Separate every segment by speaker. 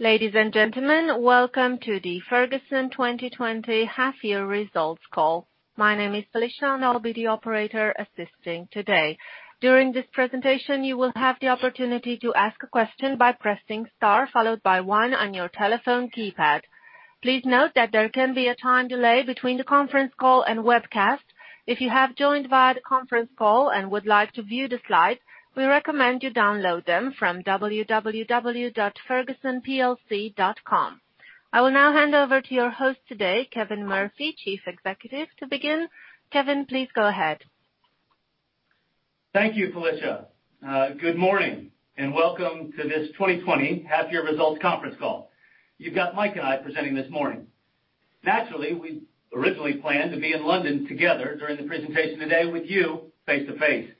Speaker 1: Ladies and gentlemen, welcome to the Ferguson 2020 half year results call. My name is Felicia, and I'll be the operator assisting today. During this presentation, you will have the opportunity to ask a question by pressing Star followed by one on your telephone keypad. Please note that there can be a time delay between the conference call and webcast. If you have joined via the conference call and would like to view the slides, we recommend you download them from www.fergusonplc.com. I will now hand over to your host today, Kevin Murphy, Chief Executive. To begin, Kevin, please go ahead.
Speaker 2: Thank you, Felicia. Good morning, welcome to this 2020 half year results conference call. You've got Mike and I presenting this morning. Naturally, we originally planned to be in London together during the presentation today with you face-to-face.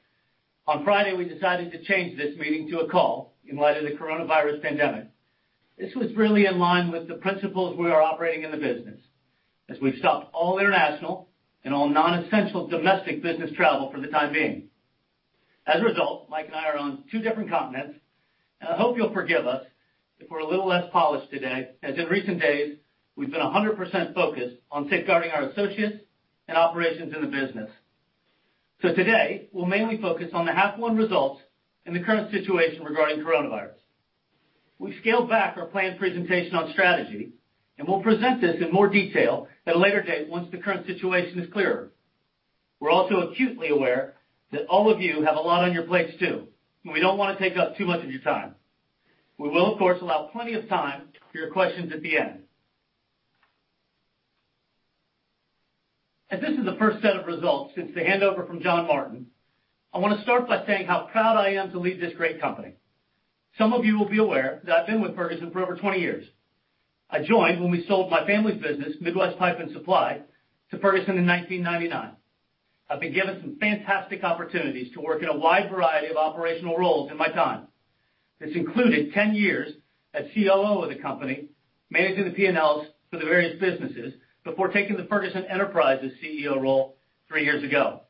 Speaker 2: On Friday, we decided to change this meeting to a call in light of the coronavirus pandemic. This was really in line with the principles we are operating in the business as we've stopped all international and all non-essential domestic business travel for the time being. As a result, Mike and I are on two different continents, and I hope you'll forgive us if we're a little less polished today, as in recent days we've been 100% focused on safeguarding our associates and operations in the business. Today, we'll mainly focus on the half one results and the current situation regarding coronavirus. We scaled back our planned presentation on strategy, and we'll present this in more detail at a later date once the current situation is clearer. We're also acutely aware that all of you have a lot on your plates, too, and we don't wanna take up too much of your time. We will, of course, allow plenty of time for your questions at the end. As this is the first set of results since the handover from John Martin, I wanna start by saying how proud I am to lead this great company. Some of you will be aware that I've been with Ferguson for over 20 years. I joined when we sold my family's business, Midwest Pipe & Supply Co., to Ferguson in 1999. I've been given some fantastic opportunities to work in a wide variety of operational roles in my time. This included 10 years as COO of the company, managing the P&Ls for the various businesses before taking the Ferguson Enterprises CEO role three years ago.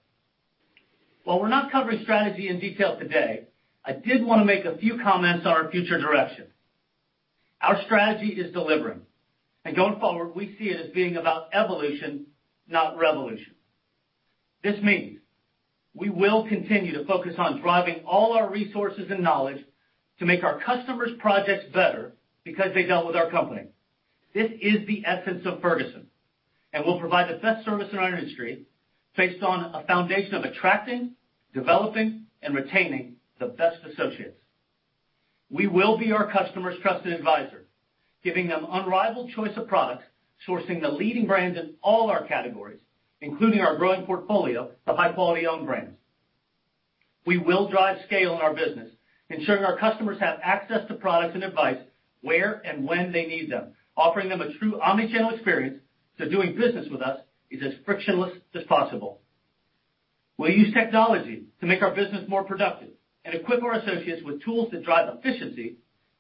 Speaker 2: While we're not covering strategy in detail today, I did wanna make a few comments on our future direction. Our strategy is delivering. Going forward, we see it as being about evolution, not revolution. This means we will continue to focus on driving all our resources and knowledge to make our customers' projects better because they dealt with our company. This is the essence of Ferguson, and we'll provide the best service in our industry based on a foundation of attracting, developing, and retaining the best associates. We will be our customers' trusted advisor, giving them unrivaled choice of products, sourcing the leading brands in all our categories, including our growing portfolio of high-quality own brands. We will drive scale in our business, ensuring our customers have access to products and advice where and when they need them, offering them a true omnichannel experience, doing business with us is as frictionless as possible. We'll use technology to make our business more productive and equip our associates with tools that drive efficiency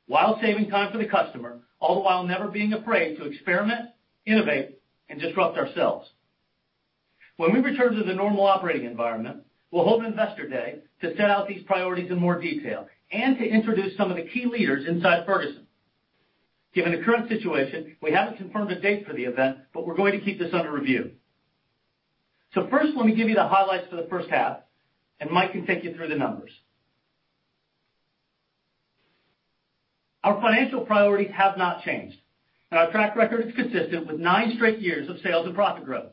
Speaker 2: while saving time for the customer, all the while never being afraid to experiment, innovate, and disrupt ourselves. When we return to the normal operating environment, we'll hold Investor Day to set out these priorities in more detail and to introduce some of the key leaders inside Ferguson. Given the current situation, we haven't confirmed a date for the event, but we're going to keep this under review. First, let me give you the highlights for the first half, and Mike can take you through the numbers. Our financial priorities have not changed, and our track record is consistent with nine straight years of sales and profit growth.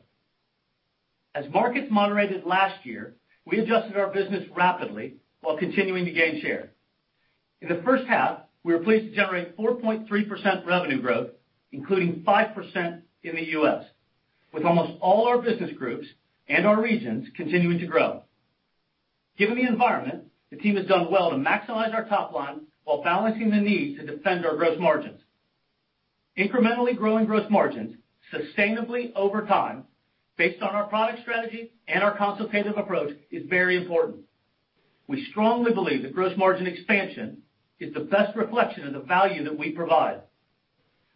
Speaker 2: As markets moderated last year, we adjusted our business rapidly while continuing to gain share. In the first half, we were pleased to generate 4.3% revenue growth, including 5% in the U.S., with almost all our business groups and our regions continuing to grow. Given the environment, the team has done well to maximize our top line while balancing the need to defend our gross margins. Incrementally growing gross margins sustainably over time based on our product strategy and our consultative approach is very important. We strongly believe that gross margin expansion is the best reflection of the value that we provide.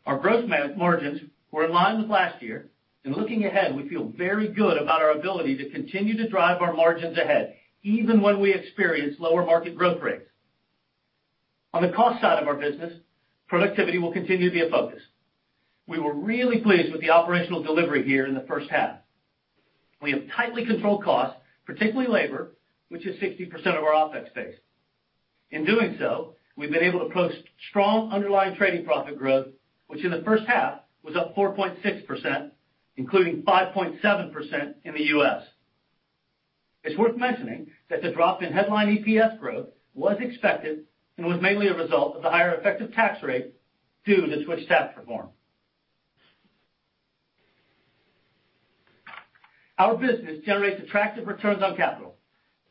Speaker 2: Our gross margins were in line with last year. Looking ahead, we feel very good about our ability to continue to drive our margins ahead, even when we experience lower market growth rates. On the cost side of our business, productivity will continue to be a focus. We were really pleased with the operational delivery here in the first half. We have tightly controlled costs, particularly labor, which is 60% of our OPEX base. In doing so, we've been able to post strong underlying trading profit growth, which in the first half was up 4.6%, including 5.7% in the U.S. It's worth mentioning that the drop in headline EPS growth was expected and was mainly a result of the higher effective tax rate due to Swiss tax reform. Our business generates attractive returns on capital.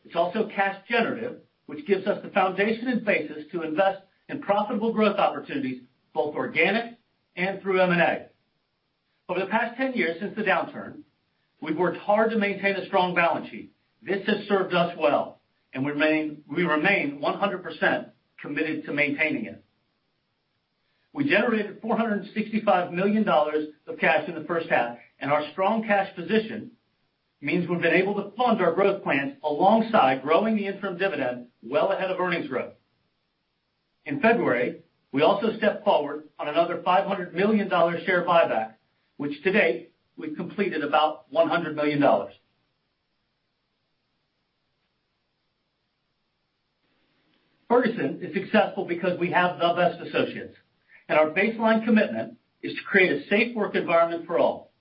Speaker 2: It's also cash generative, which gives us the foundation and basis to invest in profitable growth opportunities, both organic and through M&A. Over the past 10 years since the downturn, we've worked hard to maintain a strong balance sheet. This has served us well. We remain 100% committed to maintaining it. We generated $465 million of cash in the first half. Our strong cash position means we've been able to fund our growth plans alongside growing the interim dividend well ahead of earnings growth. In February, we also stepped forward on another $500 million share buyback, which to date we've completed about $100 million. Ferguson is successful because we have the best associates. Our baseline commitment is to create a safe work environment for all.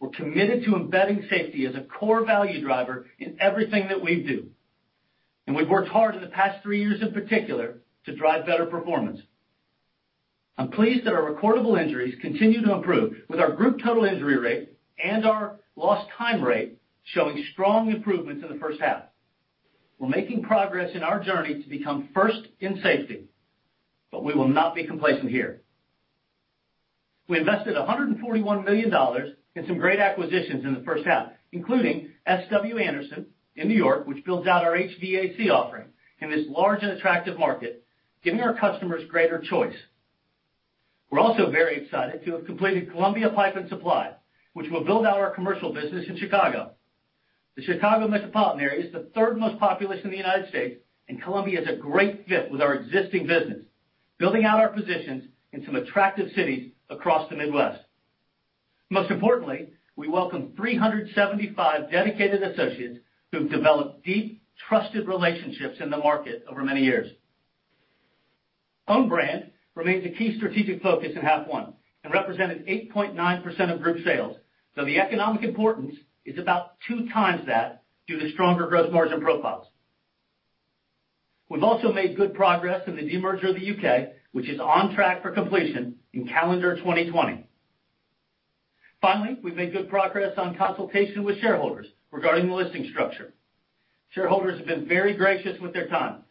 Speaker 2: We're committed to embedding safety as a core value driver in everything that we do. We've worked hard in the past three years in particular to drive better performance. I'm pleased that our recordable injuries continue to improve with our group total injury rate and our lost time rate showing strong improvements in the first half. We're making progress in our journey to become first in safety, but we will not be complacent here. We invested $141 million in some great acquisitions in the first half, including S.W. Anderson in New York, which builds out our HVAC offering in this large and attractive market, giving our customers greater choice. We're also very excited to have completed Columbia Pipe & Supply, which will build out our commercial business in Chicago. The Chicago metropolitan area is the third most populous in the U.S., and Columbia is a great fit with our existing business, building out our positions in some attractive cities across the Midwest. Most importantly, we welcome 375 dedicated associates who've developed deep, trusted relationships in the market over many years. Own brand remains a key strategic focus in half 1 and represented 8.9% of group sales, though the economic importance is about two times that due to stronger growth margin profiles. We've also made good progress in the demerger of the UK, which is on track for completion in calendar 2020. Finally, we've made good progress on consultation with shareholders regarding the listing structure. Shareholders have been very gracious with their time,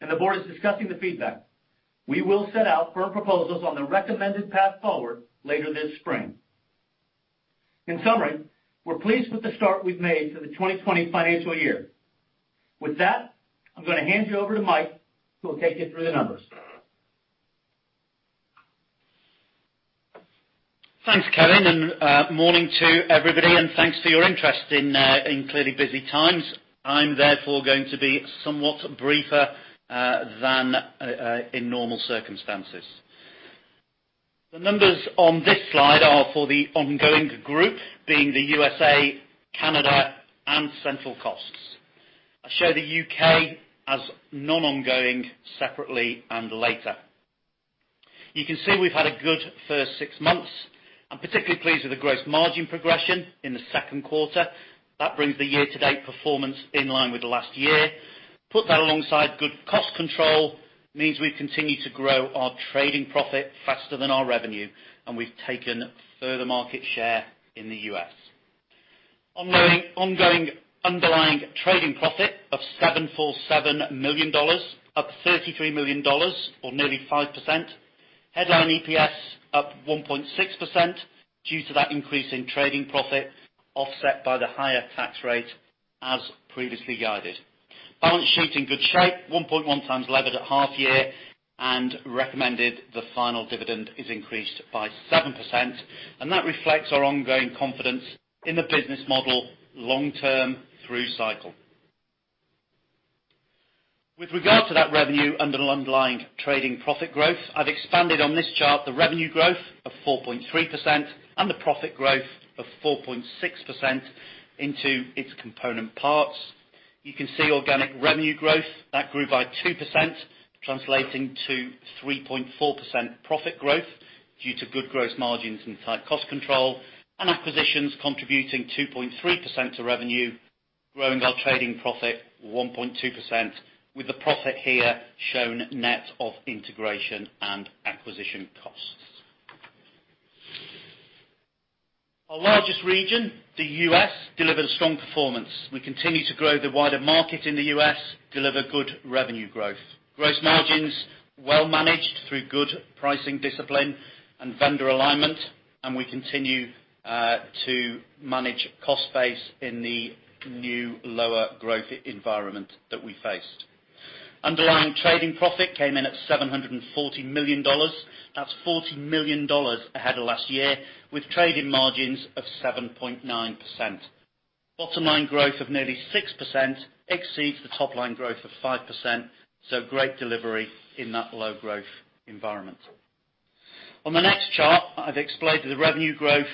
Speaker 2: and the board is discussing the feedback. We will set out firm proposals on the recommended path forward later this spring. In summary, we're pleased with the start we've made to the 2020 financial year. With that, I'm gonna hand you over to Mike, who will take you through the numbers.
Speaker 3: Thanks, Kevin, morning to everybody, thanks for your interest in clearly busy times. I'm therefore going to be somewhat briefer than in normal circumstances. The numbers on this slide are for the ongoing group, being the U.S.A., Canada, and central costs. I show the U.K. as non-ongoing separately and later. You can see we've had a good first six months. I'm particularly pleased with the gross margin progression in the second quarter. That brings the year-to-date performance in line with last year. Put that alongside good cost control means we continue to grow our trading profit faster than our revenue, we've taken further market share in the U.S. Ongoing underlying trading profit of $747 million, up $33 million or nearly 5%. Headline EPS up 1.6% due to that increase in trading profit offset by the higher tax rate as previously guided. Balance sheet in good shape, 1.1 times levered at half year and recommended the final dividend is increased by 7%. That reflects our ongoing confidence in the business model long-term through cycle. With regard to that revenue underlying trading profit growth, I've expanded on this chart the revenue growth of 4.3% and the profit growth of 4.6% into its component parts. You can see organic revenue growth. That grew by 2%, translating to 3.4% profit growth due to good gross margins and tight cost control and acquisitions contributing 2.3% to revenue, growing our trading profit 1.2% with the profit here shown net of integration and acquisition costs. Our largest region, the U.S., delivered strong performance. We continue to grow the wider market in the U.S., deliver good revenue growth. Gross margins well managed through good pricing discipline and vendor alignment, and we continue to manage cost base in the new lower growth environment that we faced. Underlying trading profit came in at $740 million. That's $40 million ahead of last year, with trading margins of 7.9%. Bottom line growth of nearly 6% exceeds the top line growth of 5%. Great delivery in that low growth environment. On the next chart, I've explained the revenue growth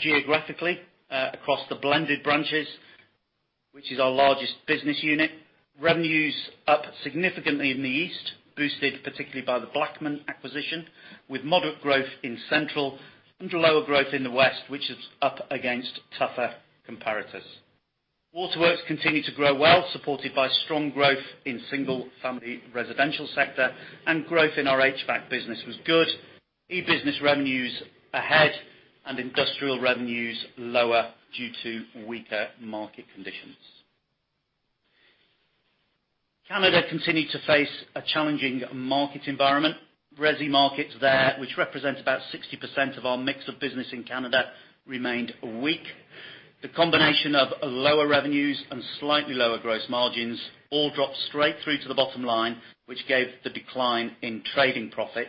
Speaker 3: geographically across the blended branches, which is our largest business unit. Revenue's up significantly in the East, boosted particularly by the Blackman acquisition, with moderate growth in Central and lower growth in the West, which is up against tougher comparators. Waterworks continued to grow well, supported by strong growth in single-family residential sector and growth in our HVAC business was good. E-business revenues ahead and industrial revenues lower due to weaker market conditions. Canada continued to face a challenging market environment. Resi markets there, which represents about 60% of our mix of business in Canada, remained weak. The combination of lower revenues and slightly lower gross margins all dropped straight through to the bottom line, which gave the decline in trading profit.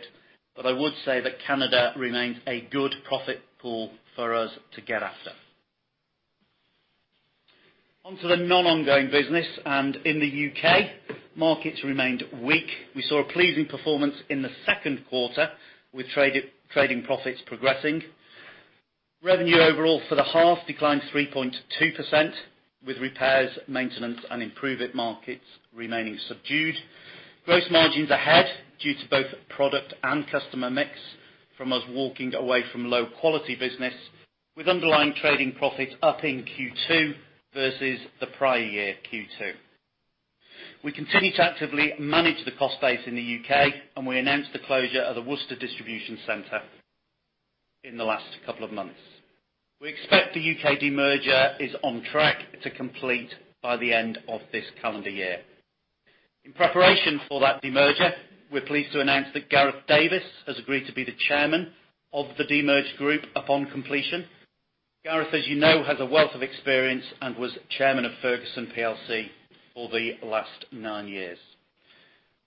Speaker 3: I would say that Canada remains a good profit pool for us to get after. On to the non-ongoing business, and in the U.K., markets remained weak. We saw a pleasing performance in the 2nd quarter, with trading profits progressing. Revenue overall for the half declined 3.2%, with repairs, maintenance and improvement markets remaining subdued. Gross margins are ahead due to both product and customer mix from us walking away from low quality business, with underlying trading profits up in Q2 versus the prior year Q2. We continue to actively manage the cost base in the U.K., we announced the closure of the Worcester distribution center in the last couple of months. We expect the U.K. demerger is on track to complete by the end of this calendar year. In preparation for that demerger, we're pleased to announce that Gareth Davis has agreed to be the Chairman of the demerged group upon completion. Gareth, as you know, has a wealth of experience and was Chairman of Ferguson plc for the last 9 years.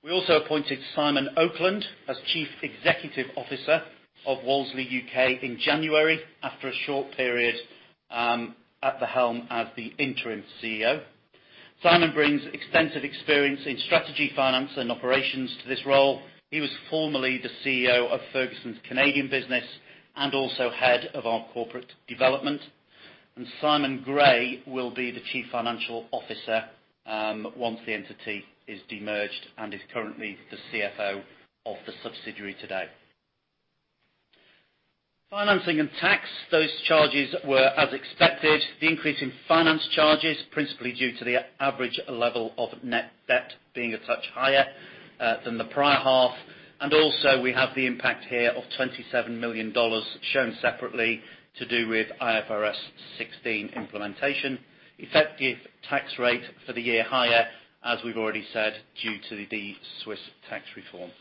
Speaker 3: We also appointed Simon Oakland as Chief Executive Officer of Wolseley UK in January after a short period at the helm as the interim CEO. Simon brings extensive experience in strategy, finance and operations to this role. He was formerly the CEO of Ferguson's Canadian business and also head of our corporate development. Simon Gray will be the Chief Financial Officer once the entity is demerged and is currently the CFO of the subsidiary today. Financing and tax, those charges were as expected. The increase in finance charges, principally due to the average level of net debt being a touch higher than the prior half. Also we have the impact here of $27 million shown separately to do with IFRS 16 implementation. Effective tax rate for the year higher, as we've already said, due to the Swiss tax reform.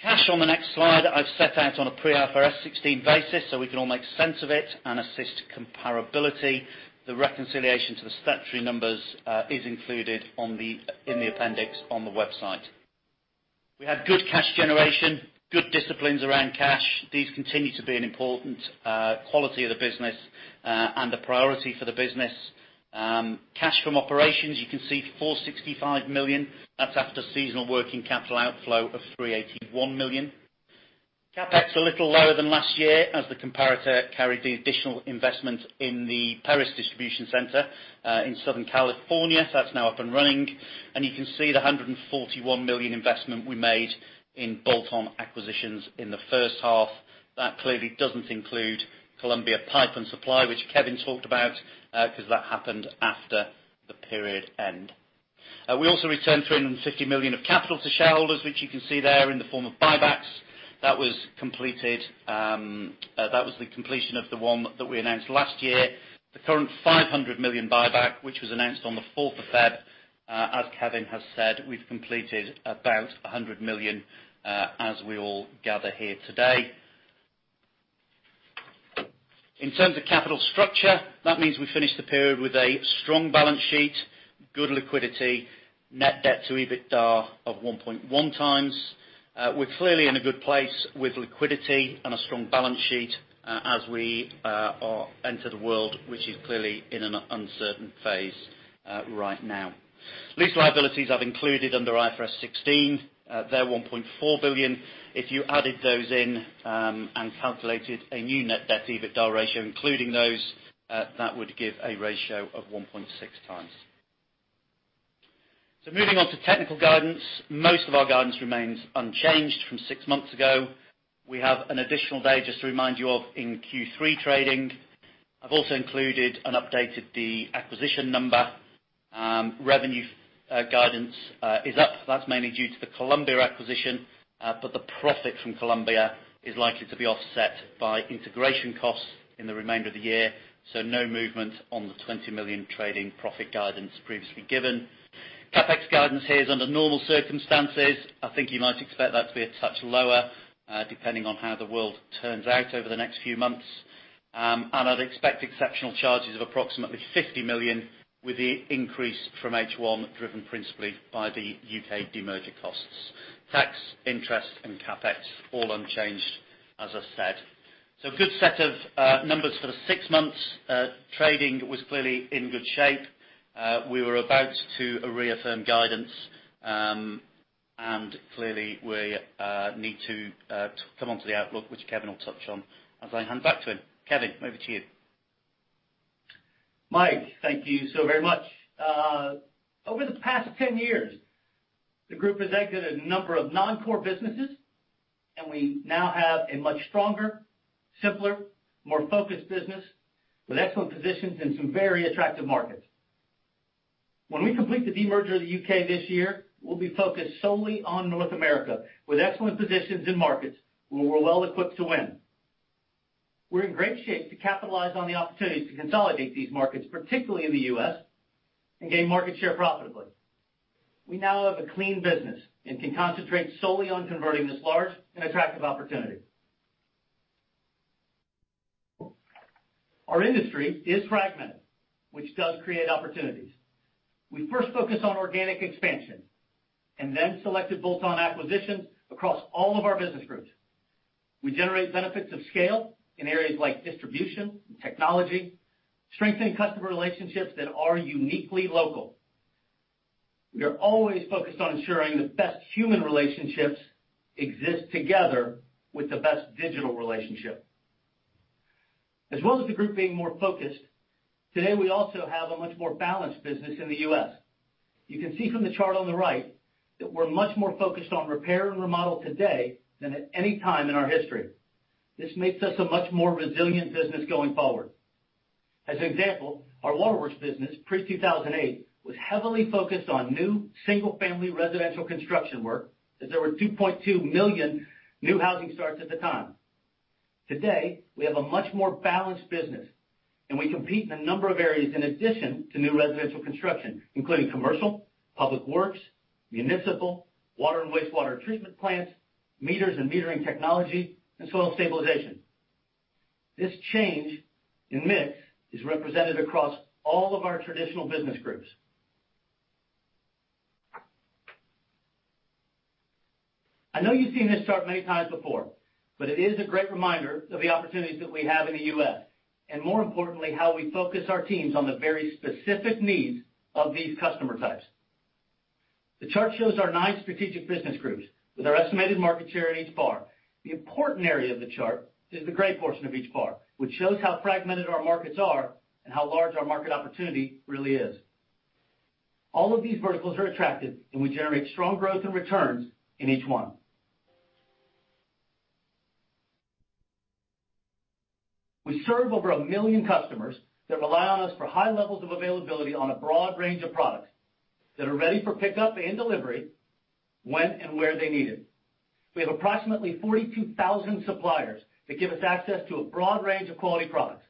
Speaker 3: Cash on the next slide, I've set out on a pre-IFRS 16 basis, so we can all make sense of it and assist comparability. The reconciliation to the statutory numbers is included in the appendix on the website. We have good cash generation, good disciplines around cash. These continue to be an important quality of the business and a priority for the business. Cash from operations, you can see $465 million. That's after seasonal working capital outflow of $381 million. CapEx a little lower than last year as the comparator carried the additional investment in the Perris distribution center in Southern California. That's now up and running. You can see the $141 million investment we made in bolt-on acquisitions in the first half. That clearly doesn't include Columbia Pipe & Supply Co., which Kevin talked about, 'cause that happened after the period end. We also returned $350 million of capital to shareholders, which you can see there in the form of buybacks. That was the completion of the one that we announced last year. The current $500 million buyback, which was announced on the 4th of Feb, as Kevin has said, we've completed about $100 million as we all gather here today. In terms of capital structure, that means we finished the period with a strong balance sheet, good liquidity, net debt to EBITDA of 1.1 times. We're clearly in a good place with liquidity and a strong balance sheet, as we enter the world, which is clearly in an uncertain phase, right now. Lease liabilities I've included under IFRS 16. They're $1.4 billion. If you added those in, and calculated a new net debt EBITDA ratio, including those, that would give a ratio of 1.6 times. Moving on to technical guidance. Most of our guidance remains unchanged from 6 months ago. We have an additional day just to remind you of in Q3 trading. I've also included and updated the acquisition number. Revenue guidance is up. That's mainly due to the Columbia acquisition, but the profit from Columbia is likely to be offset by integration costs in the remainder of the year, so no movement on the $20 million trading profit guidance previously given. CapEx guidance here is under normal circumstances. I think you might expect that to be a touch lower, depending on how the world turns out over the next few months. I'd expect exceptional charges of approximately $50 million with the increase from H1 driven principally by the U.K. demerger costs. Tax, interest and CapEx all unchanged, as I said. Good set of numbers for the six months. Trading was clearly in good shape. We were about to reaffirm guidance, and clearly we need to come on to the outlook, which Kevin will touch on as I hand back to him. Kevin, over to you.
Speaker 2: Mike, thank you so very much. Over the past 10 years, the group has exited a number of non-core businesses, and we now have a much stronger, simpler, more focused business with excellent positions in some very attractive markets. When we complete the demerger of the U.K. this year, we'll be focused solely on North America with excellent positions in markets where we're well-equipped to win. We're in great shape to capitalize on the opportunity to consolidate these markets, particularly in the U.S., and gain market share profitably. We now have a clean business and can concentrate solely on converting this large and attractive opportunity. Our industry is fragmented, which does create opportunities. We first focus on organic expansion and then selected bolt-on acquisitions across all of our business groups. We generate benefits of scale in areas like distribution and technology, strengthening customer relationships that are uniquely local. We are always focused on ensuring the best human relationships exist together with the best digital relationship. As well as the group being more focused, today we also have a much more balanced business in the U.S. You can see from the chart on the right that we're much more focused on repair and remodel today than at any time in our history. This makes us a much more resilient business going forward. As an example, our waterworks business pre-2008 was heavily focused on new single-family residential construction work, as there were 2.2 million new housing starts at the time. Today, we have a much more balanced business, and we compete in a number of areas in addition to new residential construction, including commercial, public works, municipal, water and wastewater treatment plants, meters and metering technology, and soil stabilization. This change in mix is represented across all of our traditional business groups. I know you've seen this chart many times before, but it is a great reminder of the opportunities that we have in the U.S. and more importantly, how we focus our teams on the very specific needs of these customer types. The chart shows our nine strategic business groups with our estimated market share in each bar. The important area of the chart is the gray portion of each bar, which shows how fragmented our markets are and how large our market opportunity really is. All of these verticals are attractive, and we generate strong growth and returns in each one. We serve over a million customers that rely on us for high levels of availability on a broad range of products that are ready for pickup and delivery when and where they need it. We have approximately 42,000 suppliers that give us access to a broad range of quality products.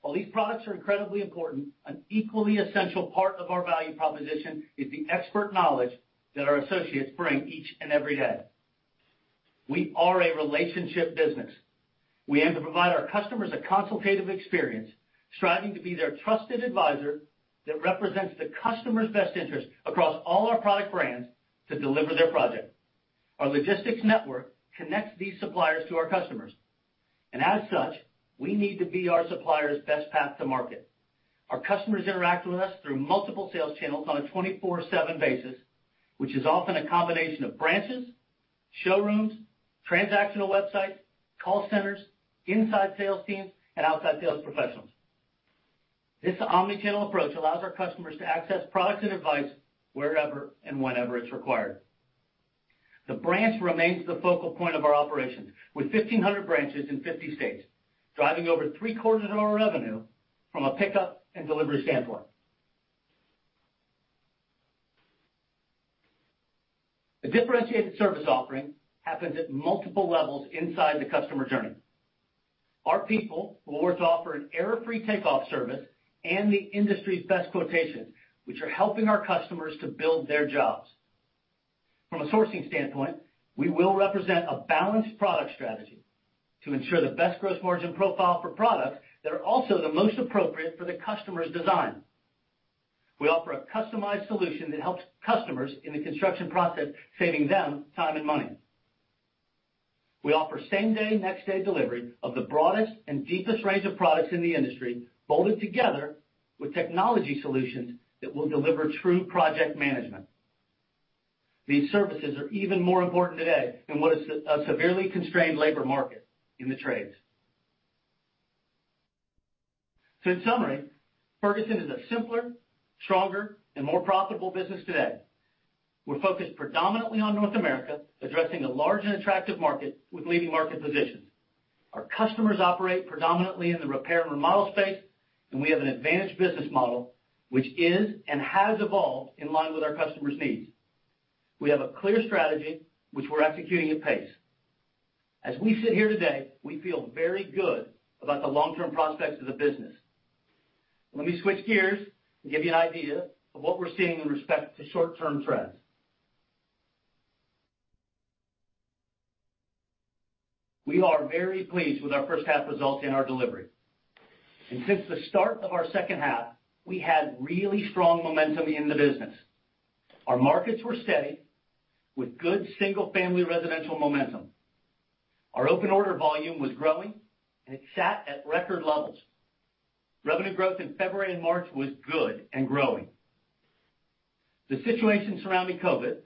Speaker 2: While these products are incredibly important, an equally essential part of our value proposition is the expert knowledge that our associates bring each and every day. We are a relationship business. We aim to provide our customers a consultative experience, striving to be their trusted advisor that represents the customer's best interest across all our product brands to deliver their project. Our logistics network connects these suppliers to our customers, and as such, we need to be our suppliers' best path to market. Our customers interact with us through multiple sales channels on a 24/7 basis, which is often a combination of branches, showrooms, transactional websites, call centers, inside sales teams, and outside sales professionals. This omnichannel approach allows our customers to access products and advice wherever and whenever it's required. The branch remains the focal point of our operations with 1,500 branches in 50 states, driving over three-quarters of our revenue from a pickup and delivery standpoint. The differentiated service offering happens at multiple levels inside the customer journey. Our people will work to offer an error-free takeoff service and the industry's best quotations, which are helping our customers to build their jobs. From a sourcing standpoint, we will represent a balanced product strategy to ensure the best gross margin profile for products that are also the most appropriate for the customer's design. We offer a customized solution that helps customers in the construction process, saving them time and money. We offer same-day, next-day delivery of the broadest and deepest range of products in the industry, bolted together with technology solutions that will deliver true project management. These services are even more important today in what is a severely constrained labor market in the trades. In summary, Ferguson is a simpler, stronger, and more profitable business today. We're focused predominantly on North America, addressing a large and attractive market with leading market positions. Our customers operate predominantly in the repair and remodel space, and we have an advantage business model, which is and has evolved in line with our customers' needs. We have a clear strategy which we're executing at pace. As we sit here today, we feel very good about the long-term prospects of the business. Let me switch gears and give you an idea of what we're seeing in respect to short-term trends. We are very pleased with our first half results in our delivery. Since the start of our second half, we had really strong momentum in the business. Our markets were steady with good single-family residential momentum. Our open order volume was growing, and it sat at record levels. Revenue growth in February and March was good and growing. The situation surrounding COVID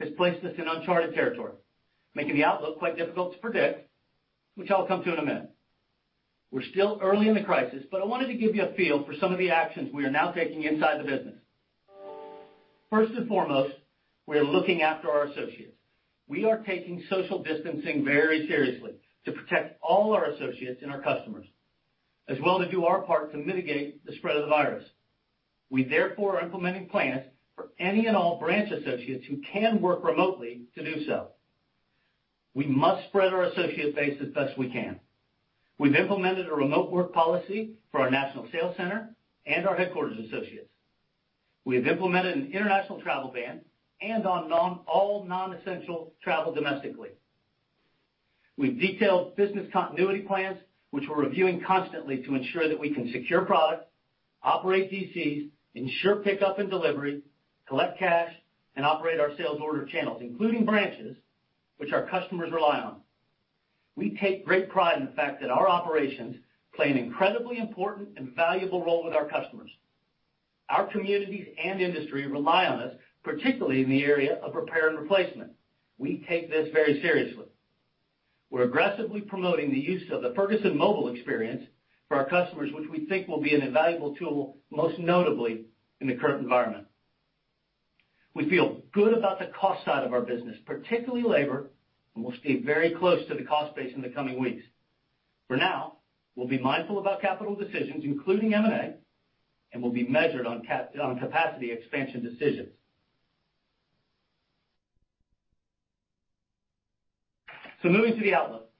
Speaker 2: has placed us in uncharted territory, making the outlook quite difficult to predict, which I'll come to in a minute. We're still early in the crisis, but I wanted to give you a feel for some of the actions we are now taking inside the business. First and foremost, we are looking after our associates. We are taking social distancing very seriously to protect all our associates and our customers, as well as do our part to mitigate the spread of the virus. We therefore are implementing plans for any and all branch associates who can work remotely to do so. We must spread our associate base as best we can. We've implemented a remote work policy for our national sales center and our headquarters associates. We have implemented an international travel ban on all non-essential travel domestically. We've detailed business continuity plans, which we're reviewing constantly to ensure that we can secure products, operate DCs, ensure pickup and delivery, collect cash, and operate our sales order channels, including branches which our customers rely on. We take great pride in the fact that our operations play an incredibly important and valuable role with our customers. Our communities and industry rely on us, particularly in the area of repair and replacement. We take this very seriously. We're aggressively promoting the use of the Ferguson mobile experience for our customers, which we think will be an invaluable tool, most notably in the current environment. We feel good about the cost side of our business, particularly labor, and we'll stay very close to the cost base in the coming weeks. For now, we'll be mindful about capital decisions, including M&A, and will be measured on capacity expansion decisions. Moving to the outlook.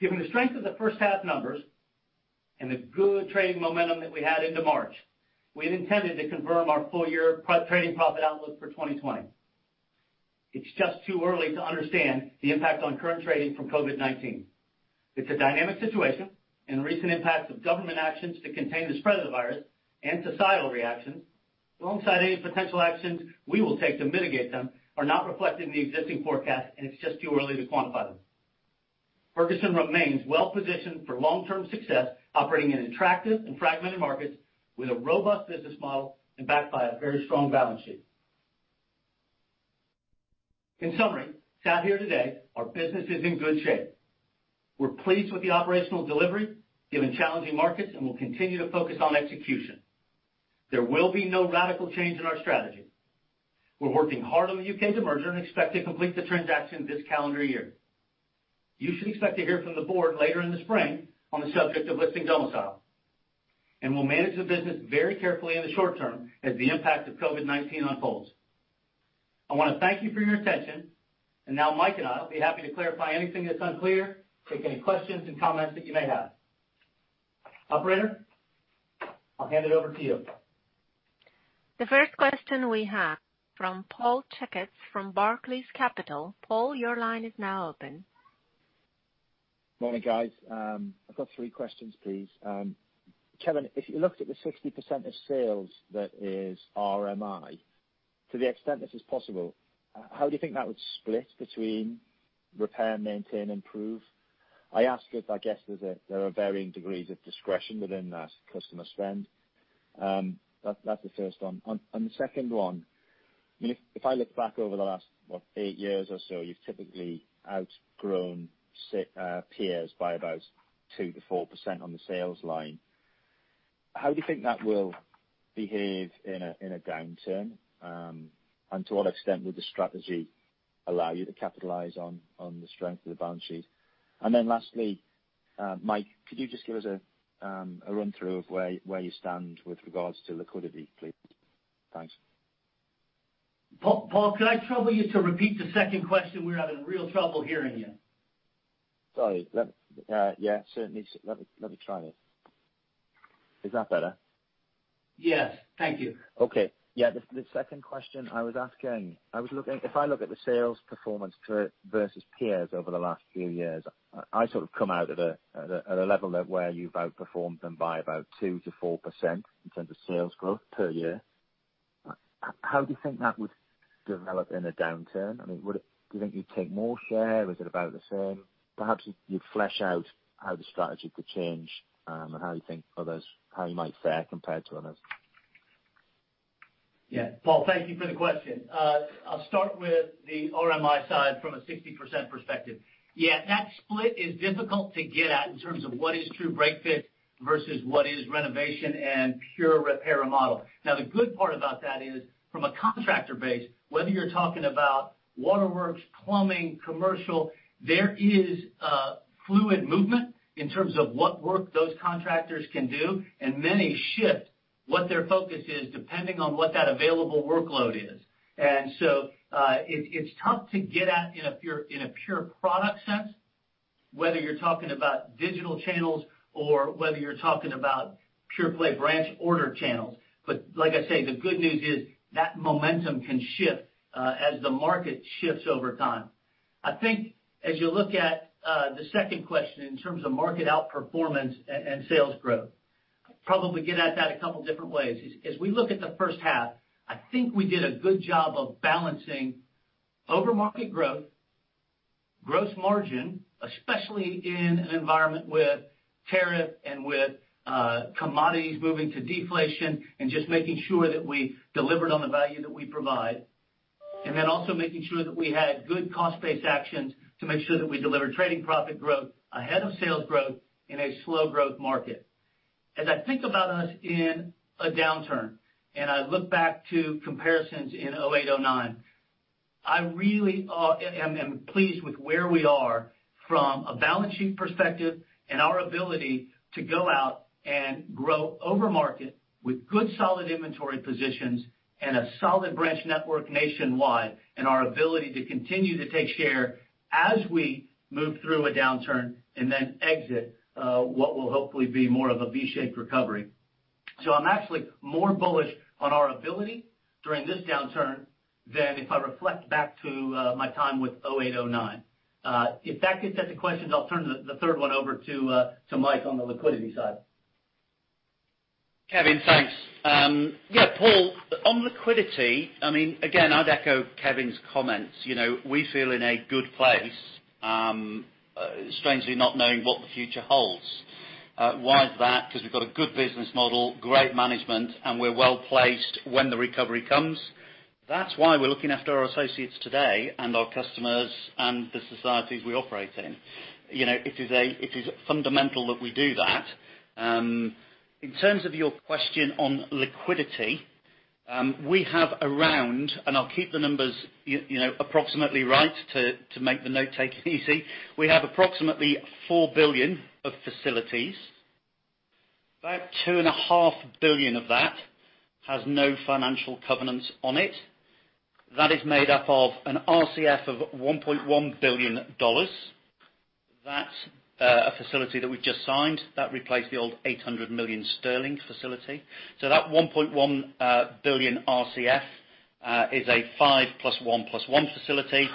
Speaker 2: Given the strength of the first half numbers and the good trading momentum that we had into March, we had intended to confirm our full year trading profit outlook for 2020. It's just too early to understand the impact on current trading from COVID-19. It's a dynamic situation, and the recent impacts of government actions to contain the spread of the virus and societal reactions alongside any potential actions we will take to mitigate them are not reflected in the existing forecast, and it's just too early to quantify them. Ferguson remains well-positioned for long-term success, operating in attractive and fragmented markets with a robust business model and backed by a very strong balance sheet. In summary, sat here today, our business is in good shape. We're pleased with the operational delivery, given challenging markets, and will continue to focus on execution. There will be no radical change in our strategy. We're working hard on the U.K. demerger and expect to complete the transaction this calendar year. You should expect to hear from the board later in the spring on the subject of listing domicile. We'll manage the business very carefully in the short term as the impact of COVID-19 unfolds. I wanna thank you for your attention. Now Mike and I will be happy to clarify anything that's unclear, take any questions and comments that you may have. Operator, I'll hand it over to you.
Speaker 1: The first question we have from Paul Checketts from Barclays Capital. Paul, your line is now open.
Speaker 4: Morning, guys. I've got three questions, please. Kevin, if you looked at the 60% of sales that is RMI, to the extent this is possible, how do you think that would split between repair, maintain, improve? I ask if I guess there are varying degrees of discretion within that customer spend. That's the first one. On the second one, I mean, if I look back over the last, what, eight years or so, you've typically outgrown set peers by about 2%-4% on the sales line. How do you think that will behave in a downturn? To what extent will the strategy allow you to capitalize on the strength of the balance sheet? Lastly, Mike, could you just give us a run through of where you stand with regards to liquidity, please? Thanks.
Speaker 2: Paul, could I trouble you to repeat the second question? We're having real trouble hearing you.
Speaker 4: Sorry. Yeah, certainly. Let me try it. Is that better?
Speaker 2: Yes. Thank you.
Speaker 4: Okay. Yeah, the second question I was asking, if I look at the sales performance versus peers over the last few years, I sort of come out at a level of where you've outperformed them by about 2%-4% in terms of sales growth per year. How do you think that would develop in a downturn? I mean, do you think you'd take more share? Is it about the same? Perhaps you'd flesh out how the strategy could change, and how you think others, how you might fare compared to others.
Speaker 2: Yeah, Paul, thank you for the question. I'll start with the RMI side from a 60% perspective. Yeah, that split is difficult to get at in terms of what is true break-fix versus what is renovation and pure repair model. Now, the good part about that is from a contractor base, whether you're talking about waterworks, plumbing, commercial, there is a fluid movement in terms of what work those contractors can do, and many shift what their focus is depending on what that available workload is. It's tough to get at in a pure product sense, whether you're talking about digital channels or whether you're talking about pure play branch order channels. Like I say, the good news is that momentum can shift as the market shifts over time. I think as you look at the second question in terms of market outperformance and sales growth, I'd probably get at that a couple different ways. As we look at the first half, I think we did a good job of balancing over market growth, gross margin, especially in an environment with tariff and with commodities moving to deflation and just making sure that we delivered on the value that we provide. Then also making sure that we had good cost-based actions to make sure that we delivered trading profit growth ahead of sales growth in a slow growth market. As I think about us in a downturn, and I look back to comparisons in 2008, 2009, I really am pleased with where we are from a balance sheet perspective and our ability to go out and grow over market with good solid inventory positions and a solid branch network nationwide, and our ability to continue to take share as we move through a downturn and then exit what will hopefully be more of a V-shaped recovery. I'm actually more bullish on our ability during this downturn than if I reflect back to my time with 2008, 2009. If that could set the questions, I'll turn the third one over to Mike on the liquidity side.
Speaker 3: Kevin, thanks. Paul, on liquidity, again, I'd echo Kevin's comments. We feel in a good place, strangely not knowing what the future holds. Why is that? 'Cause we've got a good business model, great management, and we're well-placed when the recovery comes. That's why we're looking after our associates today and our customers and the societies we operate in. It is fundamental that we do that. In terms of your question on liquidity, we have around, and I'll keep the numbers approximately right to make the note-taking easy. We have approximately $4 billion of facilities. About $2.5 billion of that has no financial covenants on it. That is made up of an RCF of $1.1 billion. That's a facility that we've just signed that replaced the old 800 million sterling facility. That $1.1 billion RCF is a five plus one plus one facility,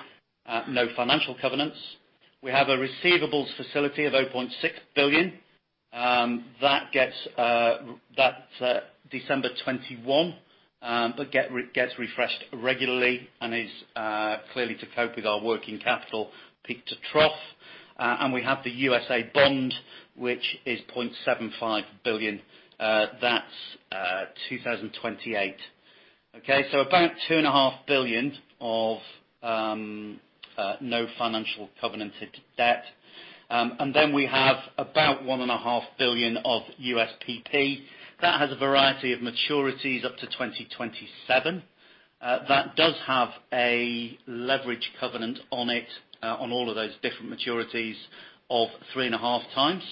Speaker 3: no financial covenants. We have a receivables facility of $0.6 billion that gets, that's December 2021, but gets refreshed regularly and is clearly to cope with our working capital peak to trough. We have the USA bond, which is $0.75 billion. That's 2028. Okay? About $2.5 billion of no financial covenanted debt. Then we have about $1.5 billion of USPP. That has a variety of maturities up to 2027. That does have a leverage covenant on it on all of those different maturities of 3.5 times.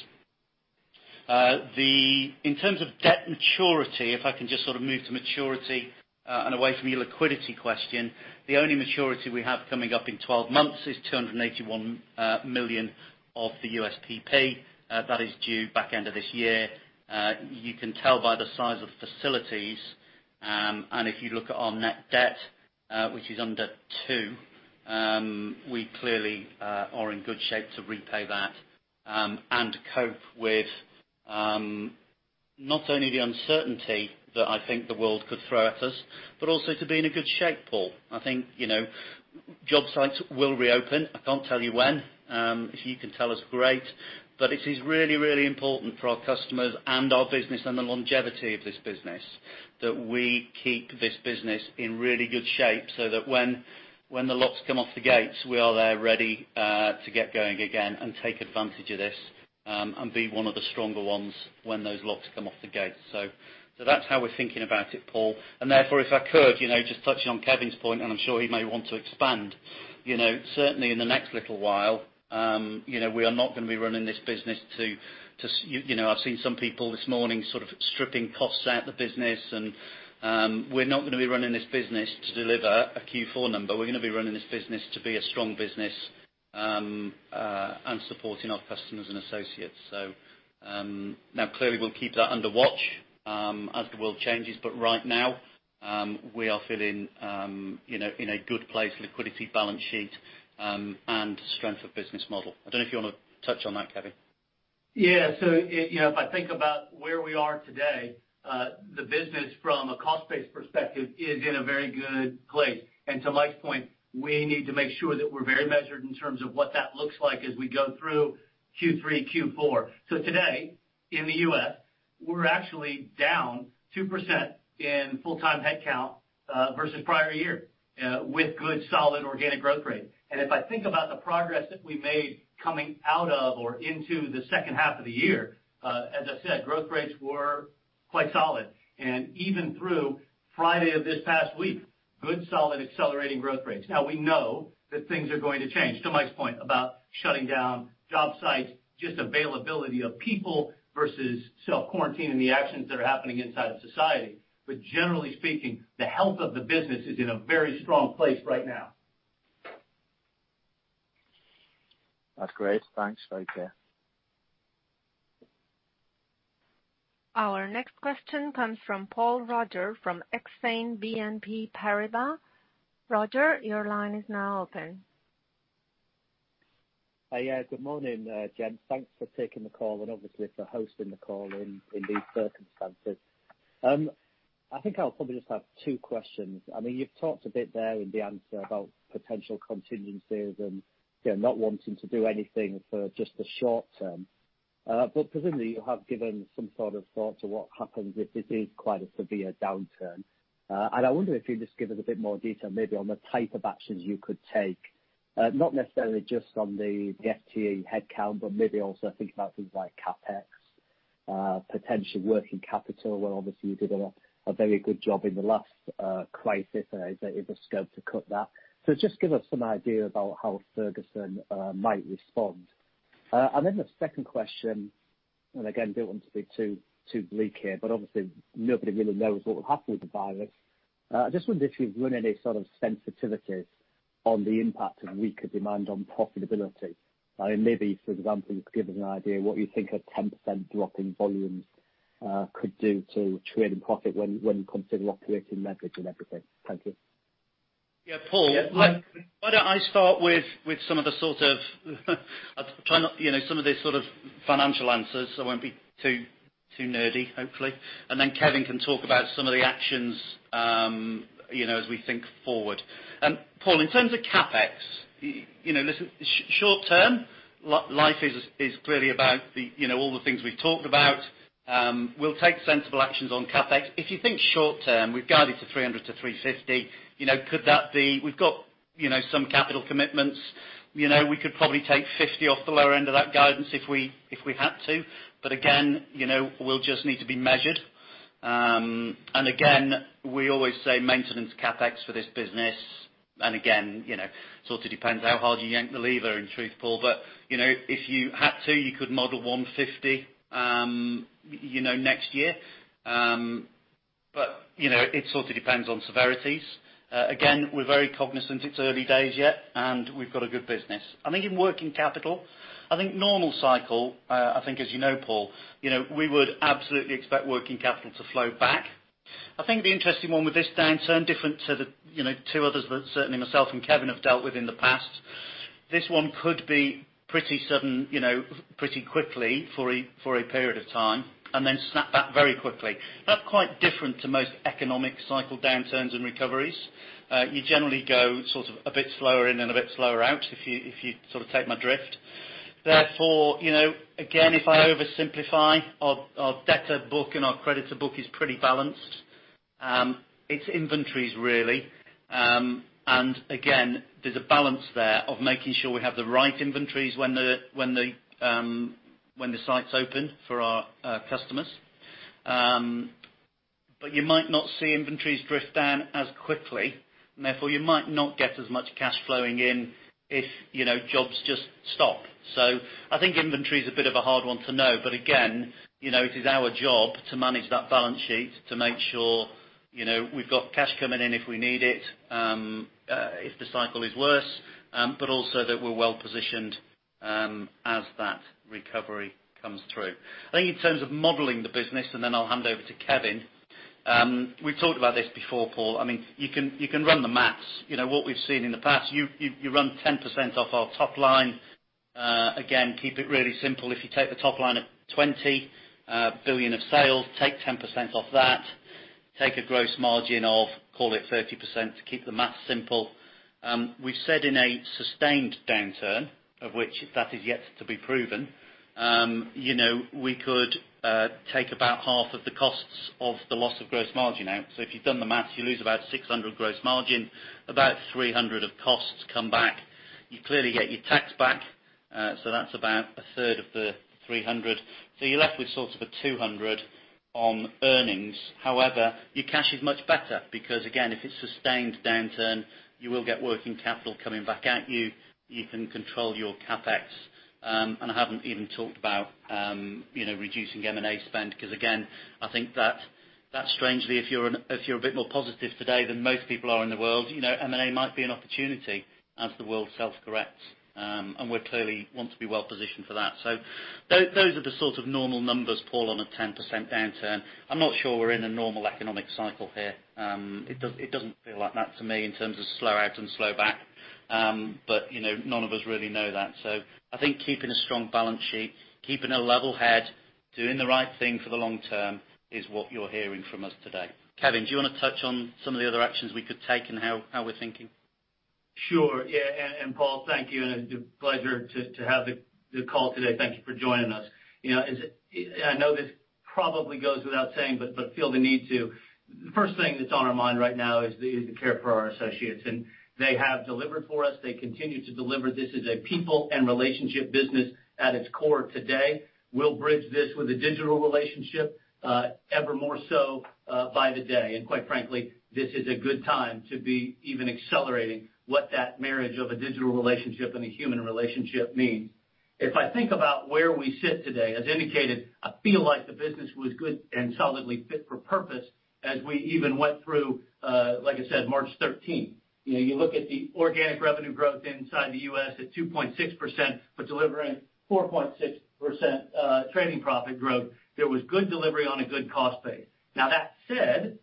Speaker 3: In terms of debt maturity, if I can just sort of move to maturity and away from your liquidity question, the only maturity we have coming up in 12 months is $281 million of the USPP. That is due back end of this year. You can tell by the size of facilities, and if you look at our net debt, which is under two, we clearly are in good shape to repay that and cope with not only the uncertainty that I think the world could throw at us, but also to be in a good shape, Paul. I think, you know, job sites will reopen. I can't tell you when. If you can tell us, great. It is really, really important for our customers and our business and the longevity of this business that we keep this business in really good shape so that when the locks come off the gates, we are there ready to get going again and take advantage of this and be one of the stronger ones when those locks come off the gates. That's how we're thinking about it, Paul. Therefore, if I could, you know, just touching on Kevin's point, and I'm sure he may want to expand, you know, certainly in the next little while, you know, we are not gonna be running this business to You know, I've seen some people this morning sort of stripping costs out the business and we're not gonna be running this business to deliver a Q4 number. We're gonna be running this business to be a strong business and supporting our customers and associates. Now clearly, we'll keep that under watch as the world changes. Right now, we are feeling, you know, in a good place, liquidity balance sheet, and strength of business model. I don't know if you wanna touch on that, Kevin.
Speaker 2: Yeah. You know, if I think about where we are today, the business from a cost base perspective is in a very good place. To Mike's point, we need to make sure that we're very measured in terms of what that looks like as we go through Q3, Q4. Today, in the U.S., we're actually down 2% in full-time headcount, versus prior year, with good solid organic growth rate. If I think about the progress that we made coming out of or into the second half of the year, as I said, growth rates were quite solid. Even through Friday of this past week, good solid accelerating growth rates. We know that things are going to change, to Mike's point about shutting down job sites, just availability of people versus self-quarantining, the actions that are happening inside of society. Generally speaking, the health of the business is in a very strong place right now.
Speaker 4: That's great. Thanks. Okay.
Speaker 1: Our next question comes from Paul Roger from Exane BNP Paribas. Roger, your line is now open.
Speaker 5: Hi. Good morning, gents. Thanks for taking the call and obviously for hosting the call in these circumstances. I think I'll probably just have two questions. I mean, you've talked a bit there in the answer about potential contingencies and, you know, not wanting to do anything for just the short term. Presumably, you have given some sort of thought to what happens if it is quite a severe downturn. I wonder if you can just give us a bit more detail maybe on the type of actions you could take. Not necessarily just on the FTE headcount, but maybe also think about things like CapEx, potential working capital where obviously you did a very good job in the last crisis, is there ever scope to cut that? Just give us some idea about how Ferguson might respond. The second question, and again, don't want to be too bleak here, but obviously nobody really knows what will happen with the virus. I just wondered if you've run any sort of sensitivities on the impact of weaker demand on profitability. Maybe, for example, you could give us an idea what you think a 10% drop in volumes could do to trading profit when you consider operating leverage and everything. Thank you.
Speaker 3: Yeah, Paul.
Speaker 5: Yeah.
Speaker 3: Why don't I start with some of the sort of I'll try not, you know, some of the sort of financial answers, so I won't be too nerdy, hopefully. Then Kevin can talk about some of the actions, you know, as we think forward. Paul, in terms of CapEx, you know, listen, short-term, life is clearly about the, you know, all the things we've talked about. We'll take sensible actions on CapEx. If you think short term, we've guided to $300-$350, you know, could that be we've got, you know, some capital commitments. You know, we could probably take $50 off the lower end of that guidance if we had to. Again, you know, we'll just need to be measured. Again, we always say maintenance CapEx for this business. Again, you know, sort of depends how hard you yank the lever, in truth, Paul. You know, if you had to, you could model $150, you know, next year. You know, it sort of depends on severities. Again, we're very cognizant it's early days yet, and we've got a good business. I think in working capital, I think normal cycle, I think as you know, Paul, you know, we would absolutely expect working capital to flow back. I think the interesting one with this downturn, different to the, you know, two others that certainly myself and Kevin have dealt with in the past, this one could be pretty sudden, you know, pretty quickly for a period of time and then snap back very quickly. That's quite different to most economic cycle downturns and recoveries. You generally go sort of a bit slower in and a bit slower out, if you sort of take my drift. You know, again, if I oversimplify our debtor book and our creditor book is pretty balanced. It's inventories, really. And again, there's a balance there of making sure we have the right inventories when the sites open for our customers. You might not see inventories drift down as quickly, and therefore, you might not get as much cash flowing in if, you know, jobs just stop. I think inventory is a bit of a hard one to know. Again, you know, it is our job to manage that balance sheet to make sure, you know, we've got cash coming in if we need it, if the cycle is worse, but also that we're well-positioned as that recovery comes through. I think in terms of modeling the business, and then I'll hand over to Kevin, we've talked about this before, Paul. I mean, you can run the maths. You know, what we've seen in the past, you run 10% off our top line. Again, keep it really simple. If you take the top line of $20 billion of sales, take 10% off that, take a gross margin of, call it 30% to keep the maths simple. We've said in a sustained downturn, of which that is yet to be proven, you know, we could take about half of the costs of the loss of gross margin out. If you've done the maths, you lose about $600 gross margin, about $300 of costs come back. You clearly get your tax back, so that's about a third of the $300. You're left with sort of a $200 on earnings. However, your cash is much better because again, if it's sustained downturn, you will get working capital coming back at you. You can control your CapEx. I haven't even talked about, you know, reducing M&A spend 'cause again, I think that strangely, if you're, if you're a bit more positive today than most people are in the world, you know, M&A might be an opportunity as the world self-corrects. We're clearly want to be well-positioned for that. Those are the sort of normal numbers, Paul, on a 10% downturn. I'm not sure we're in a normal economic cycle here. It does, it doesn't feel like that to me in terms of slow out and slow back. You know, none of us really know that. I think keeping a strong balance sheet, keeping a level head, doing the right thing for the long term is what you're hearing from us today. Kevin, do you wanna touch on some of the other actions we could take and how we're thinking?
Speaker 2: Sure, yeah. Paul, thank you, and a pleasure to have the call today. Thank you for joining us. You know, I know this probably goes without saying, but feel the need to. First thing that's on our mind right now is the care for our associates. They have delivered for us. They continue to deliver. This is a people and relationship business at its core today. We'll bridge this with a digital relationship ever more so by the day. Quite frankly, this is a good time to be even accelerating what that marriage of a digital relationship and a human relationship means. If I think about where we sit today, as indicated, I feel like the business was good and solidly fit for purpose as we even went through, like I said, March 13th. You know, you look at the organic revenue growth inside the U.S. at 2.6%, but delivering 4.6% trading profit growth. There was good delivery on a good cost base. Now, that said,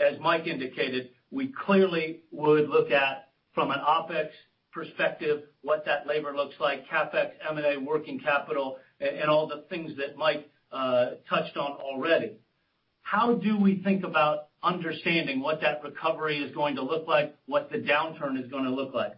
Speaker 2: as Mike indicated, we clearly would look at from an OPEX perspective, what that labor looks like, CapEx, M&A, working capital, and all the things that Mike touched on already. How do we think about understanding what that recovery is gonna look like, what the downturn is gonna look like?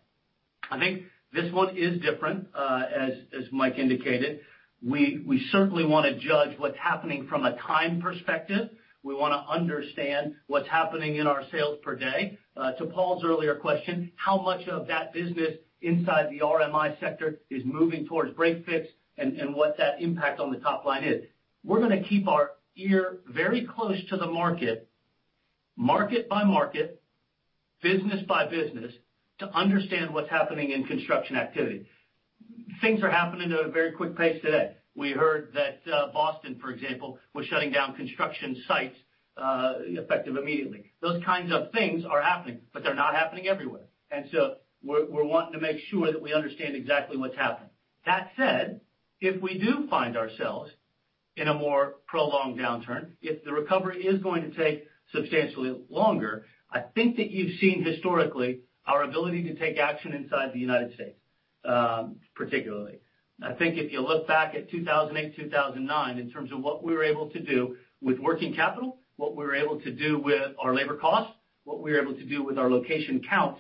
Speaker 2: I think this one is different, as Mike indicated. We certainly wanna judge what's happening from a time perspective. We wanna understand what's happening in our sales per day. To Paul's earlier question, how much of that business inside the RMI sector is moving towards break-fix and what that impact on the top line is. We're gonna keep our ear very close to the market. Market by market, business by business to understand what's happening in construction activity. Things are happening at a very quick pace today. We heard that Boston, for example, was shutting down construction sites effective immediately. Those kinds of things are happening, but they're not happening everywhere. We're wanting to make sure that we understand exactly what's happened. That said, if we do find ourselves in a more prolonged downturn, if the recovery is going to take substantially longer, I think that you've seen historically our ability to take action inside the U.S. particularly. I think if you look back at 2008, 2009 in terms of what we were able to do with working capital, what we were able to do with our labor costs, what we were able to do with our location count,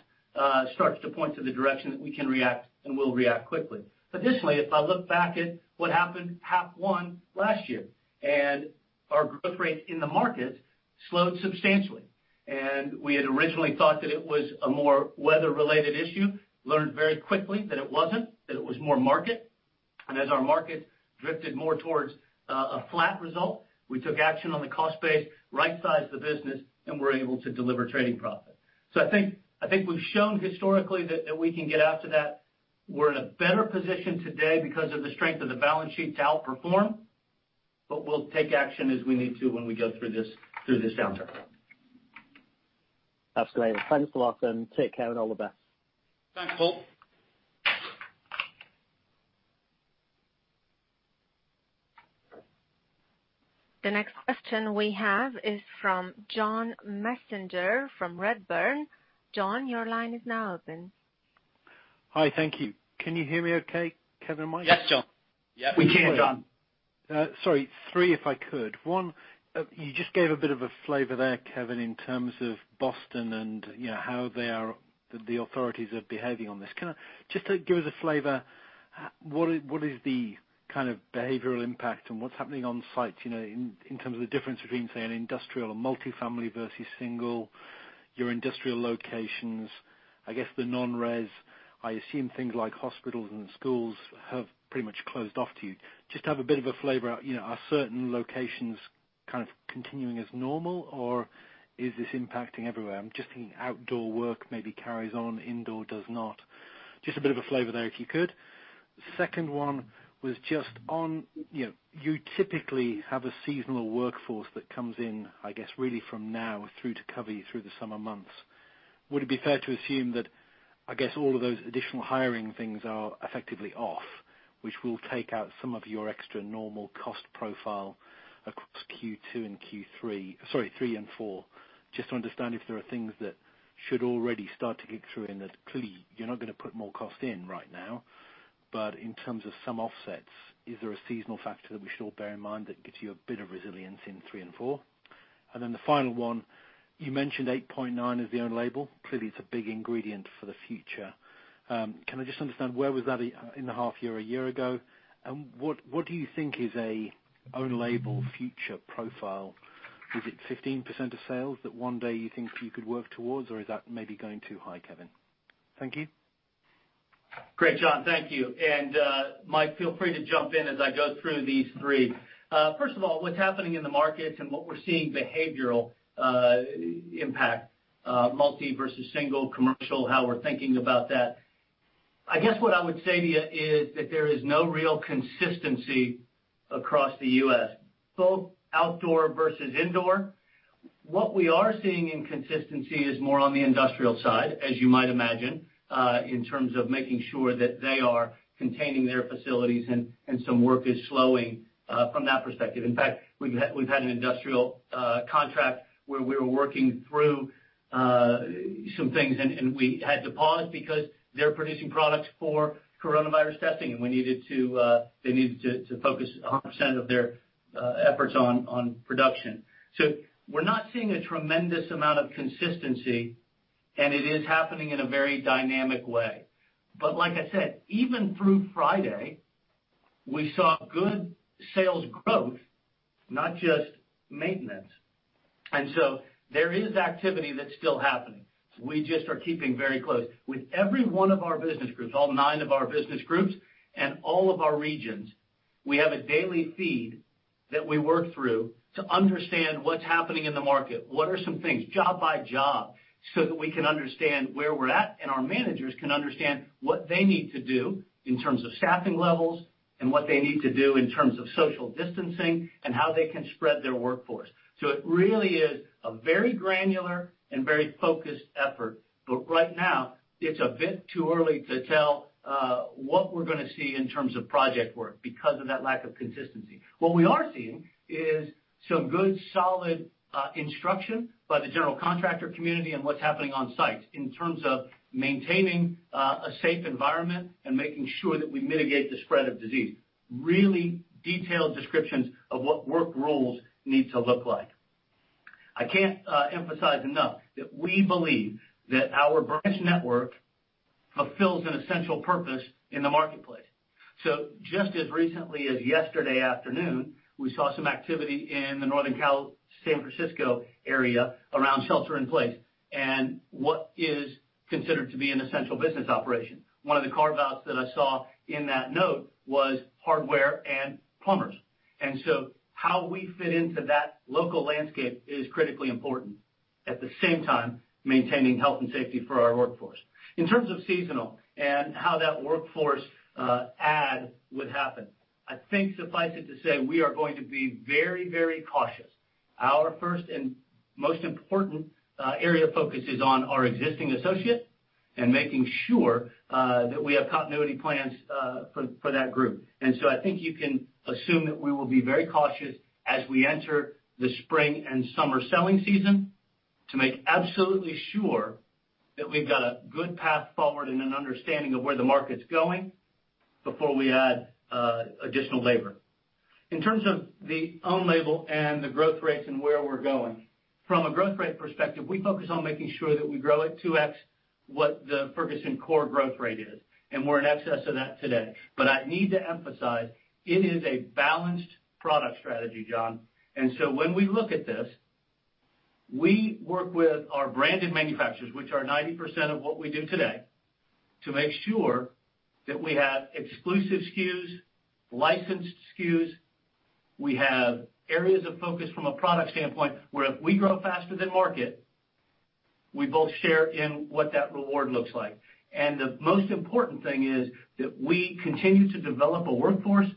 Speaker 2: starts to point to the direction that we can react and will react quickly. Additionally, if I look back at what happened half 1 last year, our growth rate in the market slowed substantially. We had originally thought that it was a more weather-related issue, learned very quickly that it wasn't, that it was more market. As our market drifted more towards a flat result, we took action on the cost base, right-sized the business, and were able to deliver trading profit. I think we've shown historically that we can get out to that. We're in a better position today because of the strength of the balance sheet to outperform. We'll take action as we need to when we go through this, through this downturn.
Speaker 5: Absolutely. Thanks a lot then. Take care and all the best.
Speaker 2: Thanks, Paul.
Speaker 1: The next question we have is from John Messenger from Redburn. John, your line is now open.
Speaker 6: Hi. Thank you. Can you hear me okay, Kevin and Mike?
Speaker 2: Yes, John. Yep.
Speaker 3: We can, John.
Speaker 6: Sorry, three, if I could. one, you just gave a bit of a flavor there, Kevin, in terms of Boston and, you know, how the authorities are behaving on this. Just to give us a flavor, what is the kind of behavioral impact and what's happening on sites, you know, in terms of the difference between, say, an industrial or multifamily versus single, your industrial locations, I guess the non-res, I assume things like hospitals and schools have pretty much closed off to you. Just to have a bit of a flavor, you know, are certain locations kind of continuing as normal or is this impacting everywhere? I'm just thinking outdoor work maybe carries on, indoor does not. Just a bit of a flavor there, if you could. Second one was just on, you know, you typically have a seasonal workforce that comes in, I guess, really from now through to cover you through the summer months. Would it be fair to assume that, I guess, all of those additional hiring things are effectively off, which will take out some of your extra normal cost profile across Q2 and Q3. Sorry, three and four. Just to understand if there are things that should already start to kick through and that clearly you're not gonna put more cost in right now, but in terms of some offsets, is there a seasonal factor that we should all bear in mind that gives you a bit of resilience in three and four? Then the final one, you mentioned 8.9 as the own label. Clearly, it's a big ingredient for the future. Can I just understand where was that in the half year a year ago? What do you think is an own label future profile? Is it 15% of sales that one day you think you could work towards, or is that maybe going too high, Kevin? Thank you.
Speaker 2: Great, John. Thank you. Mike, feel free to jump in as I go through these three. First of all, what's happening in the markets and what we're seeing behavioral impact, multi versus single, commercial, how we're thinking about that. I guess what I would say to you is that there is no real consistency across the U.S., both outdoor versus indoor. What we are seeing in consistency is more on the industrial side, as you might imagine, in terms of making sure that they are containing their facilities and some work is slowing from that perspective. In fact, we've had an industrial contract where we were working through some things, and we had to pause because they're producing products for coronavirus testing, and we needed to, they needed to focus 100% of their efforts on production. We're not seeing a tremendous amount of consistency, and it is happening in a very dynamic way. Like I said, even through Friday, we saw good sales growth, not just maintenance. There is activity that's still happening. We just are keeping very close. With every one of our business groups, all 9 of our business groups and all of our regions, we have a daily feed that we work through to understand what's happening in the market. What are some things, job by job, so that we can understand where we're at, and our managers can understand what they need to do in terms of staffing levels and what they need to do in terms of social distancing and how they can spread their workforce. It really is a very granular and very focused effort. Right now, it's a bit too early to tell what we're going to see in terms of project work because of that lack of consistency. What we are seeing is some good, solid instruction by the general contractor community on what's happening on site in terms of maintaining a safe environment and making sure that we mitigate the spread of disease. Really detailed descriptions of what work roles need to look like. I can't emphasize enough that we believe that our branch network fulfills an essential purpose in the marketplace. Just as recently as yesterday afternoon, we saw some activity in the Northern Cal, San Francisco area around shelter in place and what is considered to be an essential business operation. One of the carve-outs that I saw in that note was hardware and plumbers. How we fit into that local landscape is critically important. At the same time, maintaining health and safety for our workforce. In terms of seasonal and how that workforce add would happen, I think suffice it to say we are going to be very, very cautious. Our first and most important area of focus is on our existing associate and making sure that we have continuity plans for that group I think you can assume that we will be very cautious as we enter the spring and summer selling season to make absolutely sure that we've got a good path forward and an understanding of where the market's going before we add additional labor. In terms of the own label and the growth rates and where we're going, from a growth rate perspective, we focus on making sure that we grow at 2x what the Ferguson core growth rate is, and we're in excess of that today. I need to emphasize it is a balanced product strategy, John. When we look at this, we work with our branded manufacturers, which are 90% of what we do today, to make sure that we have exclusive SKUs, licensed SKUs. We have areas of focus from a product standpoint where if we grow faster than market, we both share in what that reward looks like. The most important thing is that we continue to develop a workforce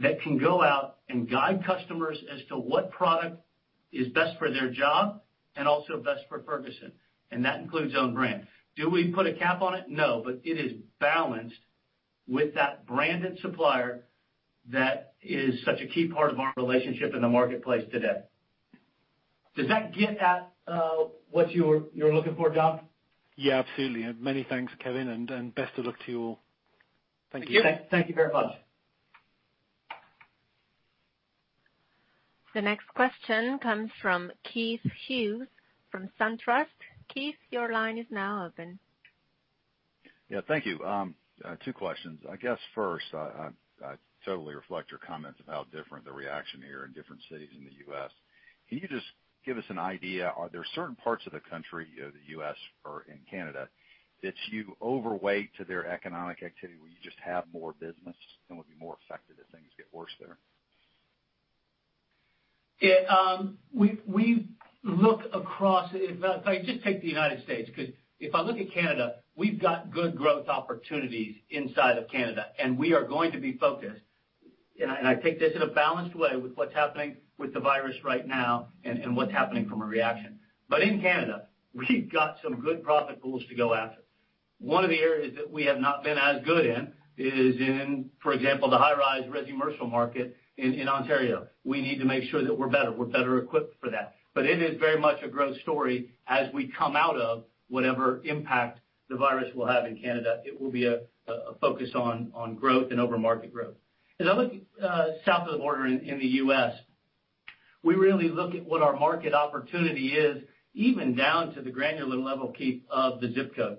Speaker 2: that can go out and guide customers as to what product is best for their job and also best for Ferguson, and that includes own brand. Do we put a cap on it? No, but it is balanced with that branded supplier that is such a key part of our relationship in the marketplace today. Does that get at what you were looking for, John?
Speaker 6: Yeah, absolutely. Many thanks, Kevin, and best of luck to you all. Thank you.
Speaker 2: Thank you very much.
Speaker 1: The next question comes from Keith Hughes from SunTrust. Keith, your line is now open.
Speaker 7: Yeah, thank you. Two questions. I guess first, I totally reflect your comments about how different the reaction here in different cities in the U.S. Can you just give us an idea, are there certain parts of the country, the U.S. or in Canada, that you overweight to their economic activity, where you just have more business and would be more affected if things get worse there?
Speaker 2: Yeah, we've looked across. If I just take the United States, 'cause if I look at Canada, we've got good growth opportunities inside of Canada, and we are going to be focused. I take this in a balanced way with what's happening with the virus right now and what's happening from a reaction. In Canada, we've got some good profit pools to go after. One of the areas that we have not been as good in is in, for example, the high rise resi-commercial market in Ontario. We need to make sure that we're better equipped for that. It is very much a growth story as we come out of whatever impact the virus will have in Canada. It will be a focus on growth and over market growth. As I look south of the border in the U.S., we really look at what our market opportunity is, even down to the granular level, Keith, of the zip code.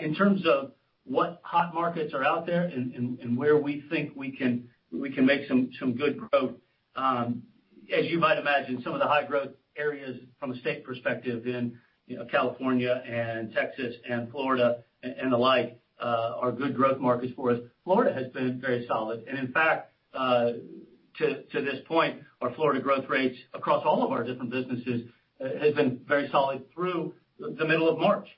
Speaker 2: In terms of what hot markets are out there and where we think we can make some good growth, as you might imagine, some of the high growth areas from a state perspective in, you know, California and Texas and Florida and the like, are good growth markets for us. Florida has been very solid. In fact, to this point, our Florida growth rates across all of our different businesses has been very solid through the middle of March.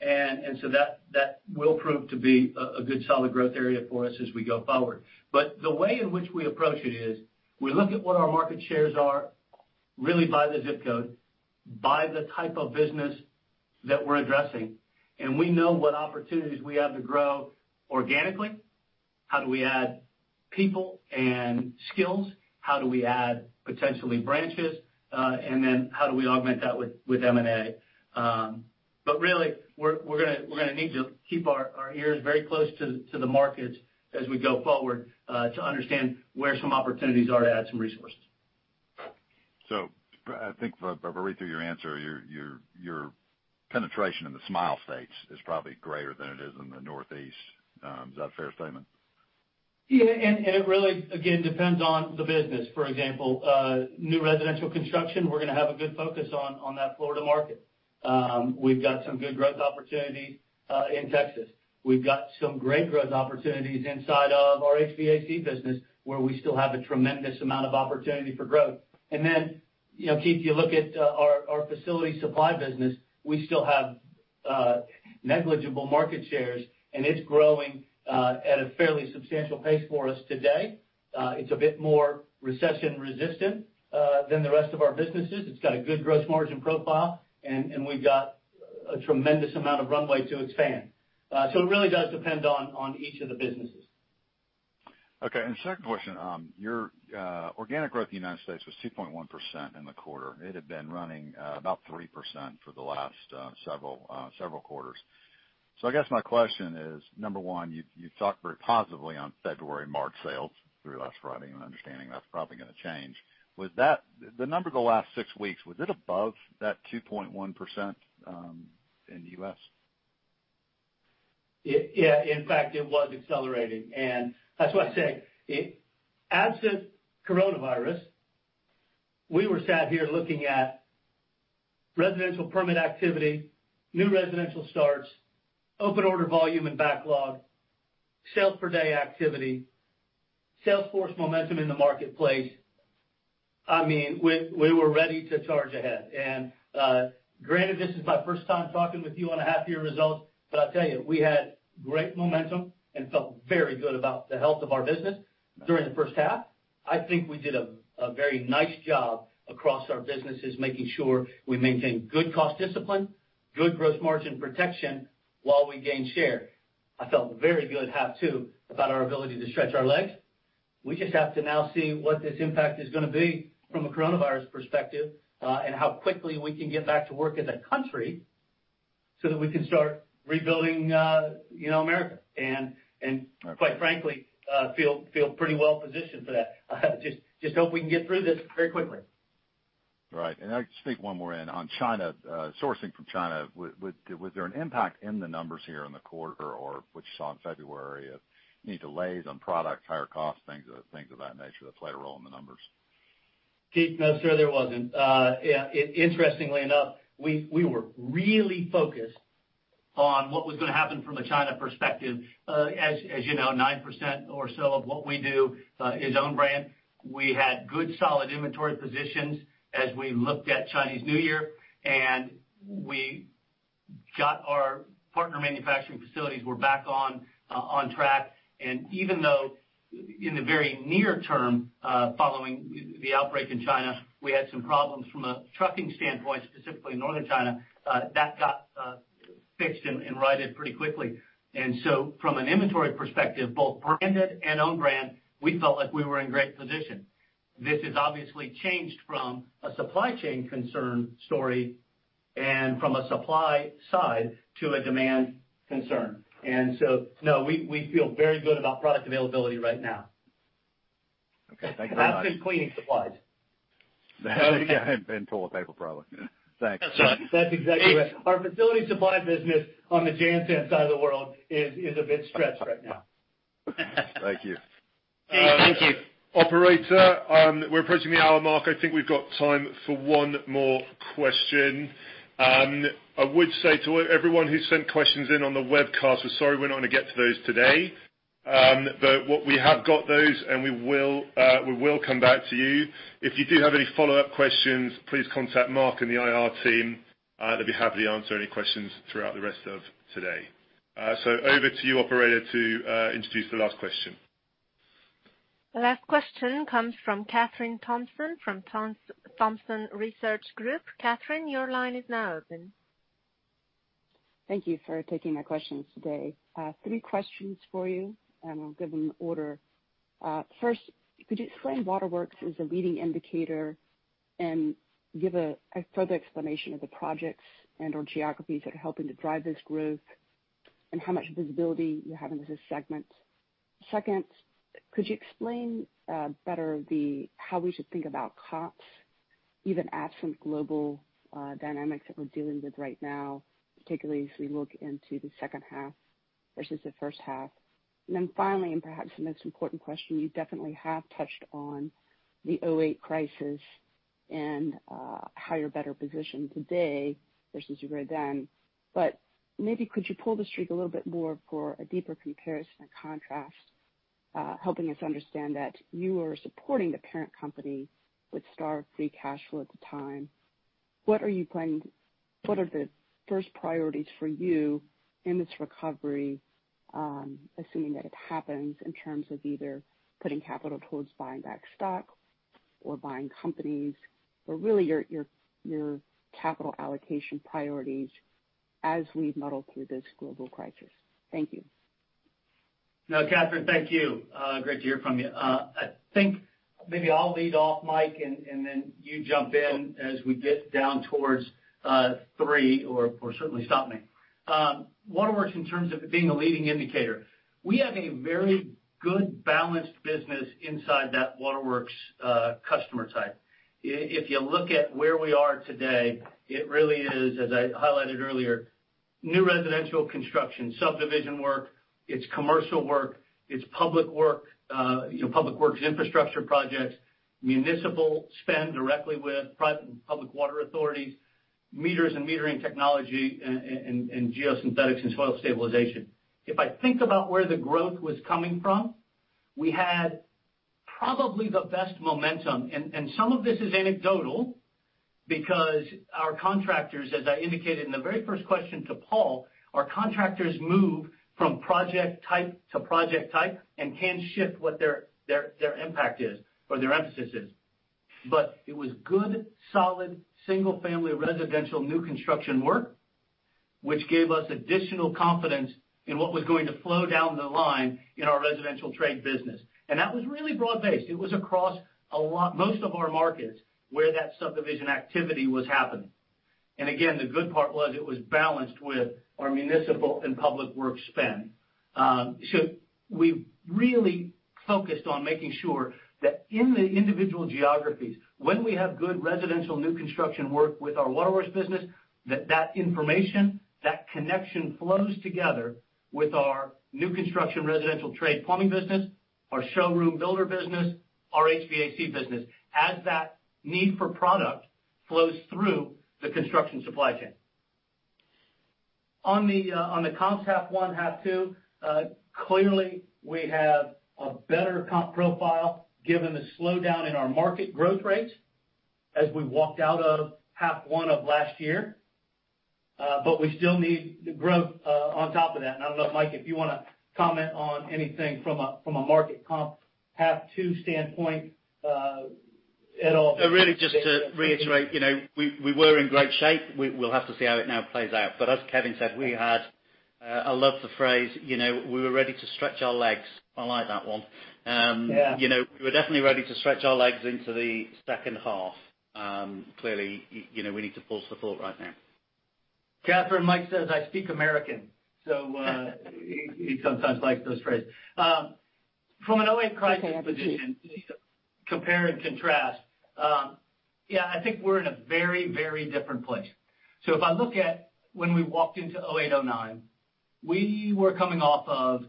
Speaker 2: That will prove to be a good solid growth area for us as we go forward. The way in which we approach it is we look at what our market shares are really by the ZIP code, by the type of business that we're addressing, and we know what opportunities we have to grow organically. How do we add people and skills? How do we add potentially branches? How do we augment that with M&A? Really, we're gonna need to keep our ears very close to the markets as we go forward to understand where some opportunities are to add some resources.
Speaker 7: I think, by reading through your answer, your penetration in the Smile States is probably greater than it is in the Northeast. Is that a fair statement?
Speaker 2: It really, again, depends on the business. For example, new residential construction, we're going to have a good focus on that Florida market. We've got some good growth opportunity in Texas. We've got some great growth opportunities inside of our HVAC business, where we still have a tremendous amount of opportunity for growth. You know, Keith, you look at our facility supply business, we still have negligible market shares, and it's growing at a fairly substantial pace for us today. It's a bit more recession resistant than the rest of our businesses. It's got a good gross margin profile, and we've got a tremendous amount of runway to expand. It really does depend on each of the businesses.
Speaker 7: Okay. Second question, your organic growth in the U.S. was 2.1% in the quarter. It had been running about 3% for the last several quarters. I guess my question is, number one, you talked very positively on February and March sales through last Friday. I'm understanding that's probably gonna change. The number the last six weeks was it above that 2.1% in the U.S.?
Speaker 2: Yeah, in fact, it was accelerating. That's why I say, absent coronavirus, we were sat here looking at residential permit activity, new residential starts, open order volume and backlog, sales per day activity, sales force momentum in the marketplace. I mean, we were ready to charge ahead. Granted, this is my first time talking with you on a half-year results, but I tell you, we had great momentum and felt very good about the health of our business during the 1st half. I think we did a very nice job across our businesses, making sure we maintain good cost discipline, good gross margin protection while we gain share. I felt very good, half 2, about our ability to stretch our legs. We just have to now see what this impact is gonna be from a coronavirus perspective, and how quickly we can get back to work as a country so that we can start rebuilding, you know, America and quite frankly, feel pretty well-positioned for that. Just hope we can get through this very quickly.
Speaker 7: Right. Can I just sneak one more in on China, sourcing from China, was there an impact in the numbers here in the quarter or what you saw in February of any delays on product, higher costs, things of that nature that played a role in the numbers?
Speaker 2: Keith, no, sir, there wasn't. Interestingly enough, we were really focused on what was going to happen from a China perspective. As you know, 9% or so of what we do is own brand. We had good solid inventory positions as we looked at Chinese New Year, we got our partner manufacturing facilities were back on track. Even though in the very near term, following the outbreak in China, we had some problems from a trucking standpoint, specifically in Northern China, that got fixed and righted pretty quickly. From an inventory perspective, both branded and own brand, we felt like we were in great position. This has obviously changed from a supply chain concern story and from a supply side to a demand concern. No, we feel very good about product availability right now.
Speaker 7: Okay. Thank you very much.
Speaker 2: Except in cleaning supplies.
Speaker 7: Toilet paper products. Thanks.
Speaker 2: That's right. That's exactly right. Our facility supply business on the JanSan side of the world is a bit stretched right now.
Speaker 7: Thank you.
Speaker 2: Dave, thank you.
Speaker 8: Operator, we're approaching the hour mark. I think we've got time for one more question. I would say to everyone who sent questions in on the webcast, we're sorry we're not gonna get to those today. What we have got those, and we will come back to you. If you do have any follow-up questions, please contact Mark and the IR team, they'll be happy to answer any questions throughout the rest of today. Over to you, operator, to introduce the last question.
Speaker 1: Last question comes from Kathryn Thompson from Thompson Research Group. Kathryn, your line is now open.
Speaker 9: Thank you for taking my questions today. three questions for you, and we'll give them in order. First, could you explain waterworks as a leading indicator and give a further explanation of the projects and/or geographies that are helping to drive this growth and how much visibility you have in this segment? Second, could you explain better how we should think about comps, even absent global dynamics that we're dealing with right now, particularly as we look into the second half versus the first half? Finally, and perhaps the most important question, you definitely have touched on the 08 crisis and how you're better positioned today versus you were then. Maybe could you pull the streak a little bit more for a deeper comparison and contrast, helping us understand that you are supporting the parent company with strong free cash flow at the time. What are the first priorities for you in this recovery, assuming that it happens in terms of either putting capital towards buying back stock or buying companies or really your capital allocation priorities as we muddle through this global crisis? Thank you.
Speaker 2: No, Kathryn, thank you. Great to hear from you. I think maybe I'll lead off, Mike, and then you jump in as we get down towards three or certainly stop me. Waterworks in terms of it being a leading indicator, we have a very good balanced business inside that Waterworks customer type. If you look at where we are today, it really is, as I highlighted earlier, new residential construction, subdivision work, it's commercial work, it's public work, you know, public works infrastructure projects, municipal spend directly with public water authorities, meters and metering technology, and geosynthetics and soil stabilization. If I think about where the growth was coming from, we had probably the best momentum, and some of this is anecdotal because our contractors, as I indicated in the very first question to Paul, our contractors move from project type to project type and can shift what their impact is or their emphasis is. It was good, solid, single-family residential new construction work, which gave us additional confidence in what was going to flow down the line in our residential trade business. That was really broad-based. It was across most of our markets where that subdivision activity was happening. Again, the good part was it was balanced with our municipal and public works spend. We really focused on making sure that in the individual geographies, when we have good residential new construction work with our Waterworks business, that that information, that connection flows together with our new construction residential trade plumbing business, our showroom builder business, our HVAC business, as that need for product flows through the construction supply chain. On the comps half one, half two, clearly we have a better comp profile given the slowdown in our market growth rates as we walked out of half one of last year. We still need the growth on top of that. I don't know if, Mike, if you wanna comment on anything from a, from a market comp half two standpoint at all.
Speaker 3: Really just to reiterate, you know, we were in great shape. We'll have to see how it now plays out. As Kevin said, we had, I love the phrase, you know, we were ready to stretch our legs. I like that one.
Speaker 2: Yeah.
Speaker 3: You know, we were definitely ready to stretch our legs into the second half. Clearly, you know, we need to pause the thought right now.
Speaker 2: Kathryn, Mike says I speak American. He sometimes likes those phrases. from a 2008 crisis position.
Speaker 9: Okay, I see.
Speaker 2: Compare and contrast, yeah, I think we're in a very, very different place. If I look at when we walked into '08-'09, we were coming off of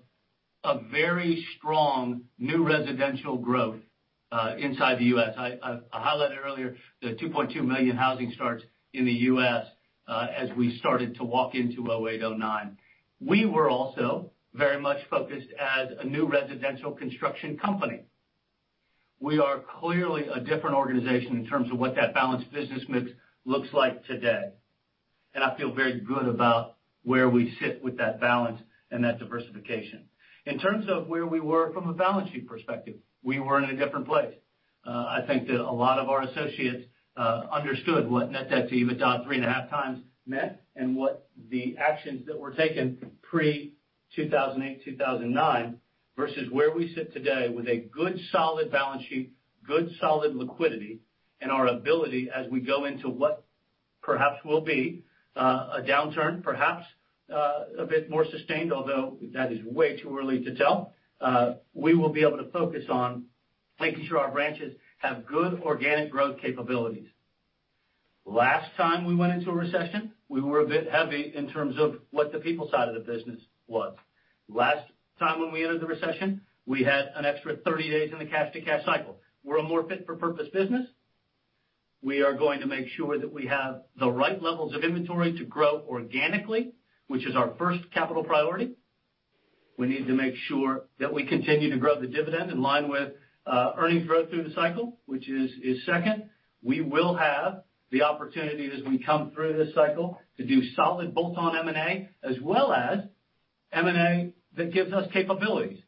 Speaker 2: a very strong new residential growth inside the U.S. I highlighted earlier the 2.2 million housing starts in the U.S. as we started to walk into '08-'09. We were also very much focused as a new residential construction company. We are clearly a different organization in terms of what that balanced business mix looks like today. I feel very good about where we sit with that balance and that diversification. In terms of where we were from a balance sheet perspective, we were in a different place. I think that a lot of our associates understood what net debt to EBITDA 3.5 times meant, and what the actions that were taken pre 2008, 2009, versus where we sit today with a good solid balance sheet, good solid liquidity, and our ability as we go into what perhaps will be a downturn, perhaps a bit more sustained, although that is way too early to tell. We will be able to focus on making sure our branches have good organic growth capabilities. Last time we went into a recession, we were a bit heavy in terms of what the people side of the business was. Last time when we entered the recession, we had an extra 30 days in the cash to cash cycle. We're a more fit for purpose business. We are going to make sure that we have the right levels of inventory to grow organically, which is our first capital priority. We need to make sure that we continue to grow the dividend in line with earnings growth through the cycle, which is second. We will have the opportunity as we come through this cycle to do solid bolt-on M&A, as well as M&A that gives us capabilities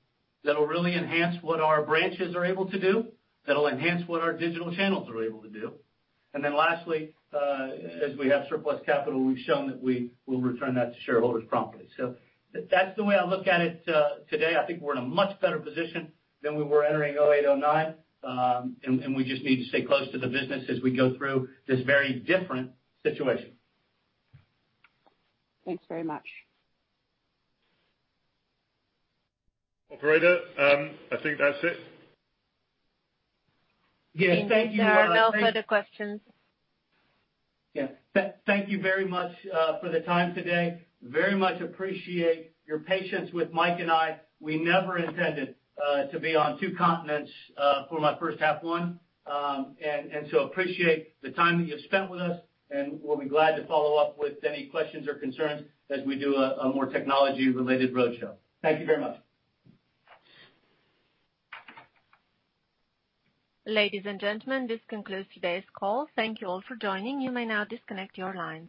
Speaker 2: that'll really enhance what our branches are able to do, that'll enhance what our digital channels are able to do. Lastly, as we have surplus capital, we've shown that we will return that to shareholders promptly. That's the way I look at it today. I think we're in a much better position than we were entering 2008-2009. We just need to stay close to the business as we go through this very different situation.
Speaker 9: Thanks very much.
Speaker 3: Operator, I think that's it.
Speaker 2: Yes, thank you all.
Speaker 1: There are no further questions.
Speaker 2: Yeah. Thank you very much for the time today. Very much appreciate your patience with Mike and I. We never intended to be on two continents for my first half one. Appreciate the time that you've spent with us, and we'll be glad to follow up with any questions or concerns as we do a more technology related roadshow. Thank you very much.
Speaker 1: Ladies and gentlemen, this concludes today's call. Thank you all for joining. You may now disconnect your lines.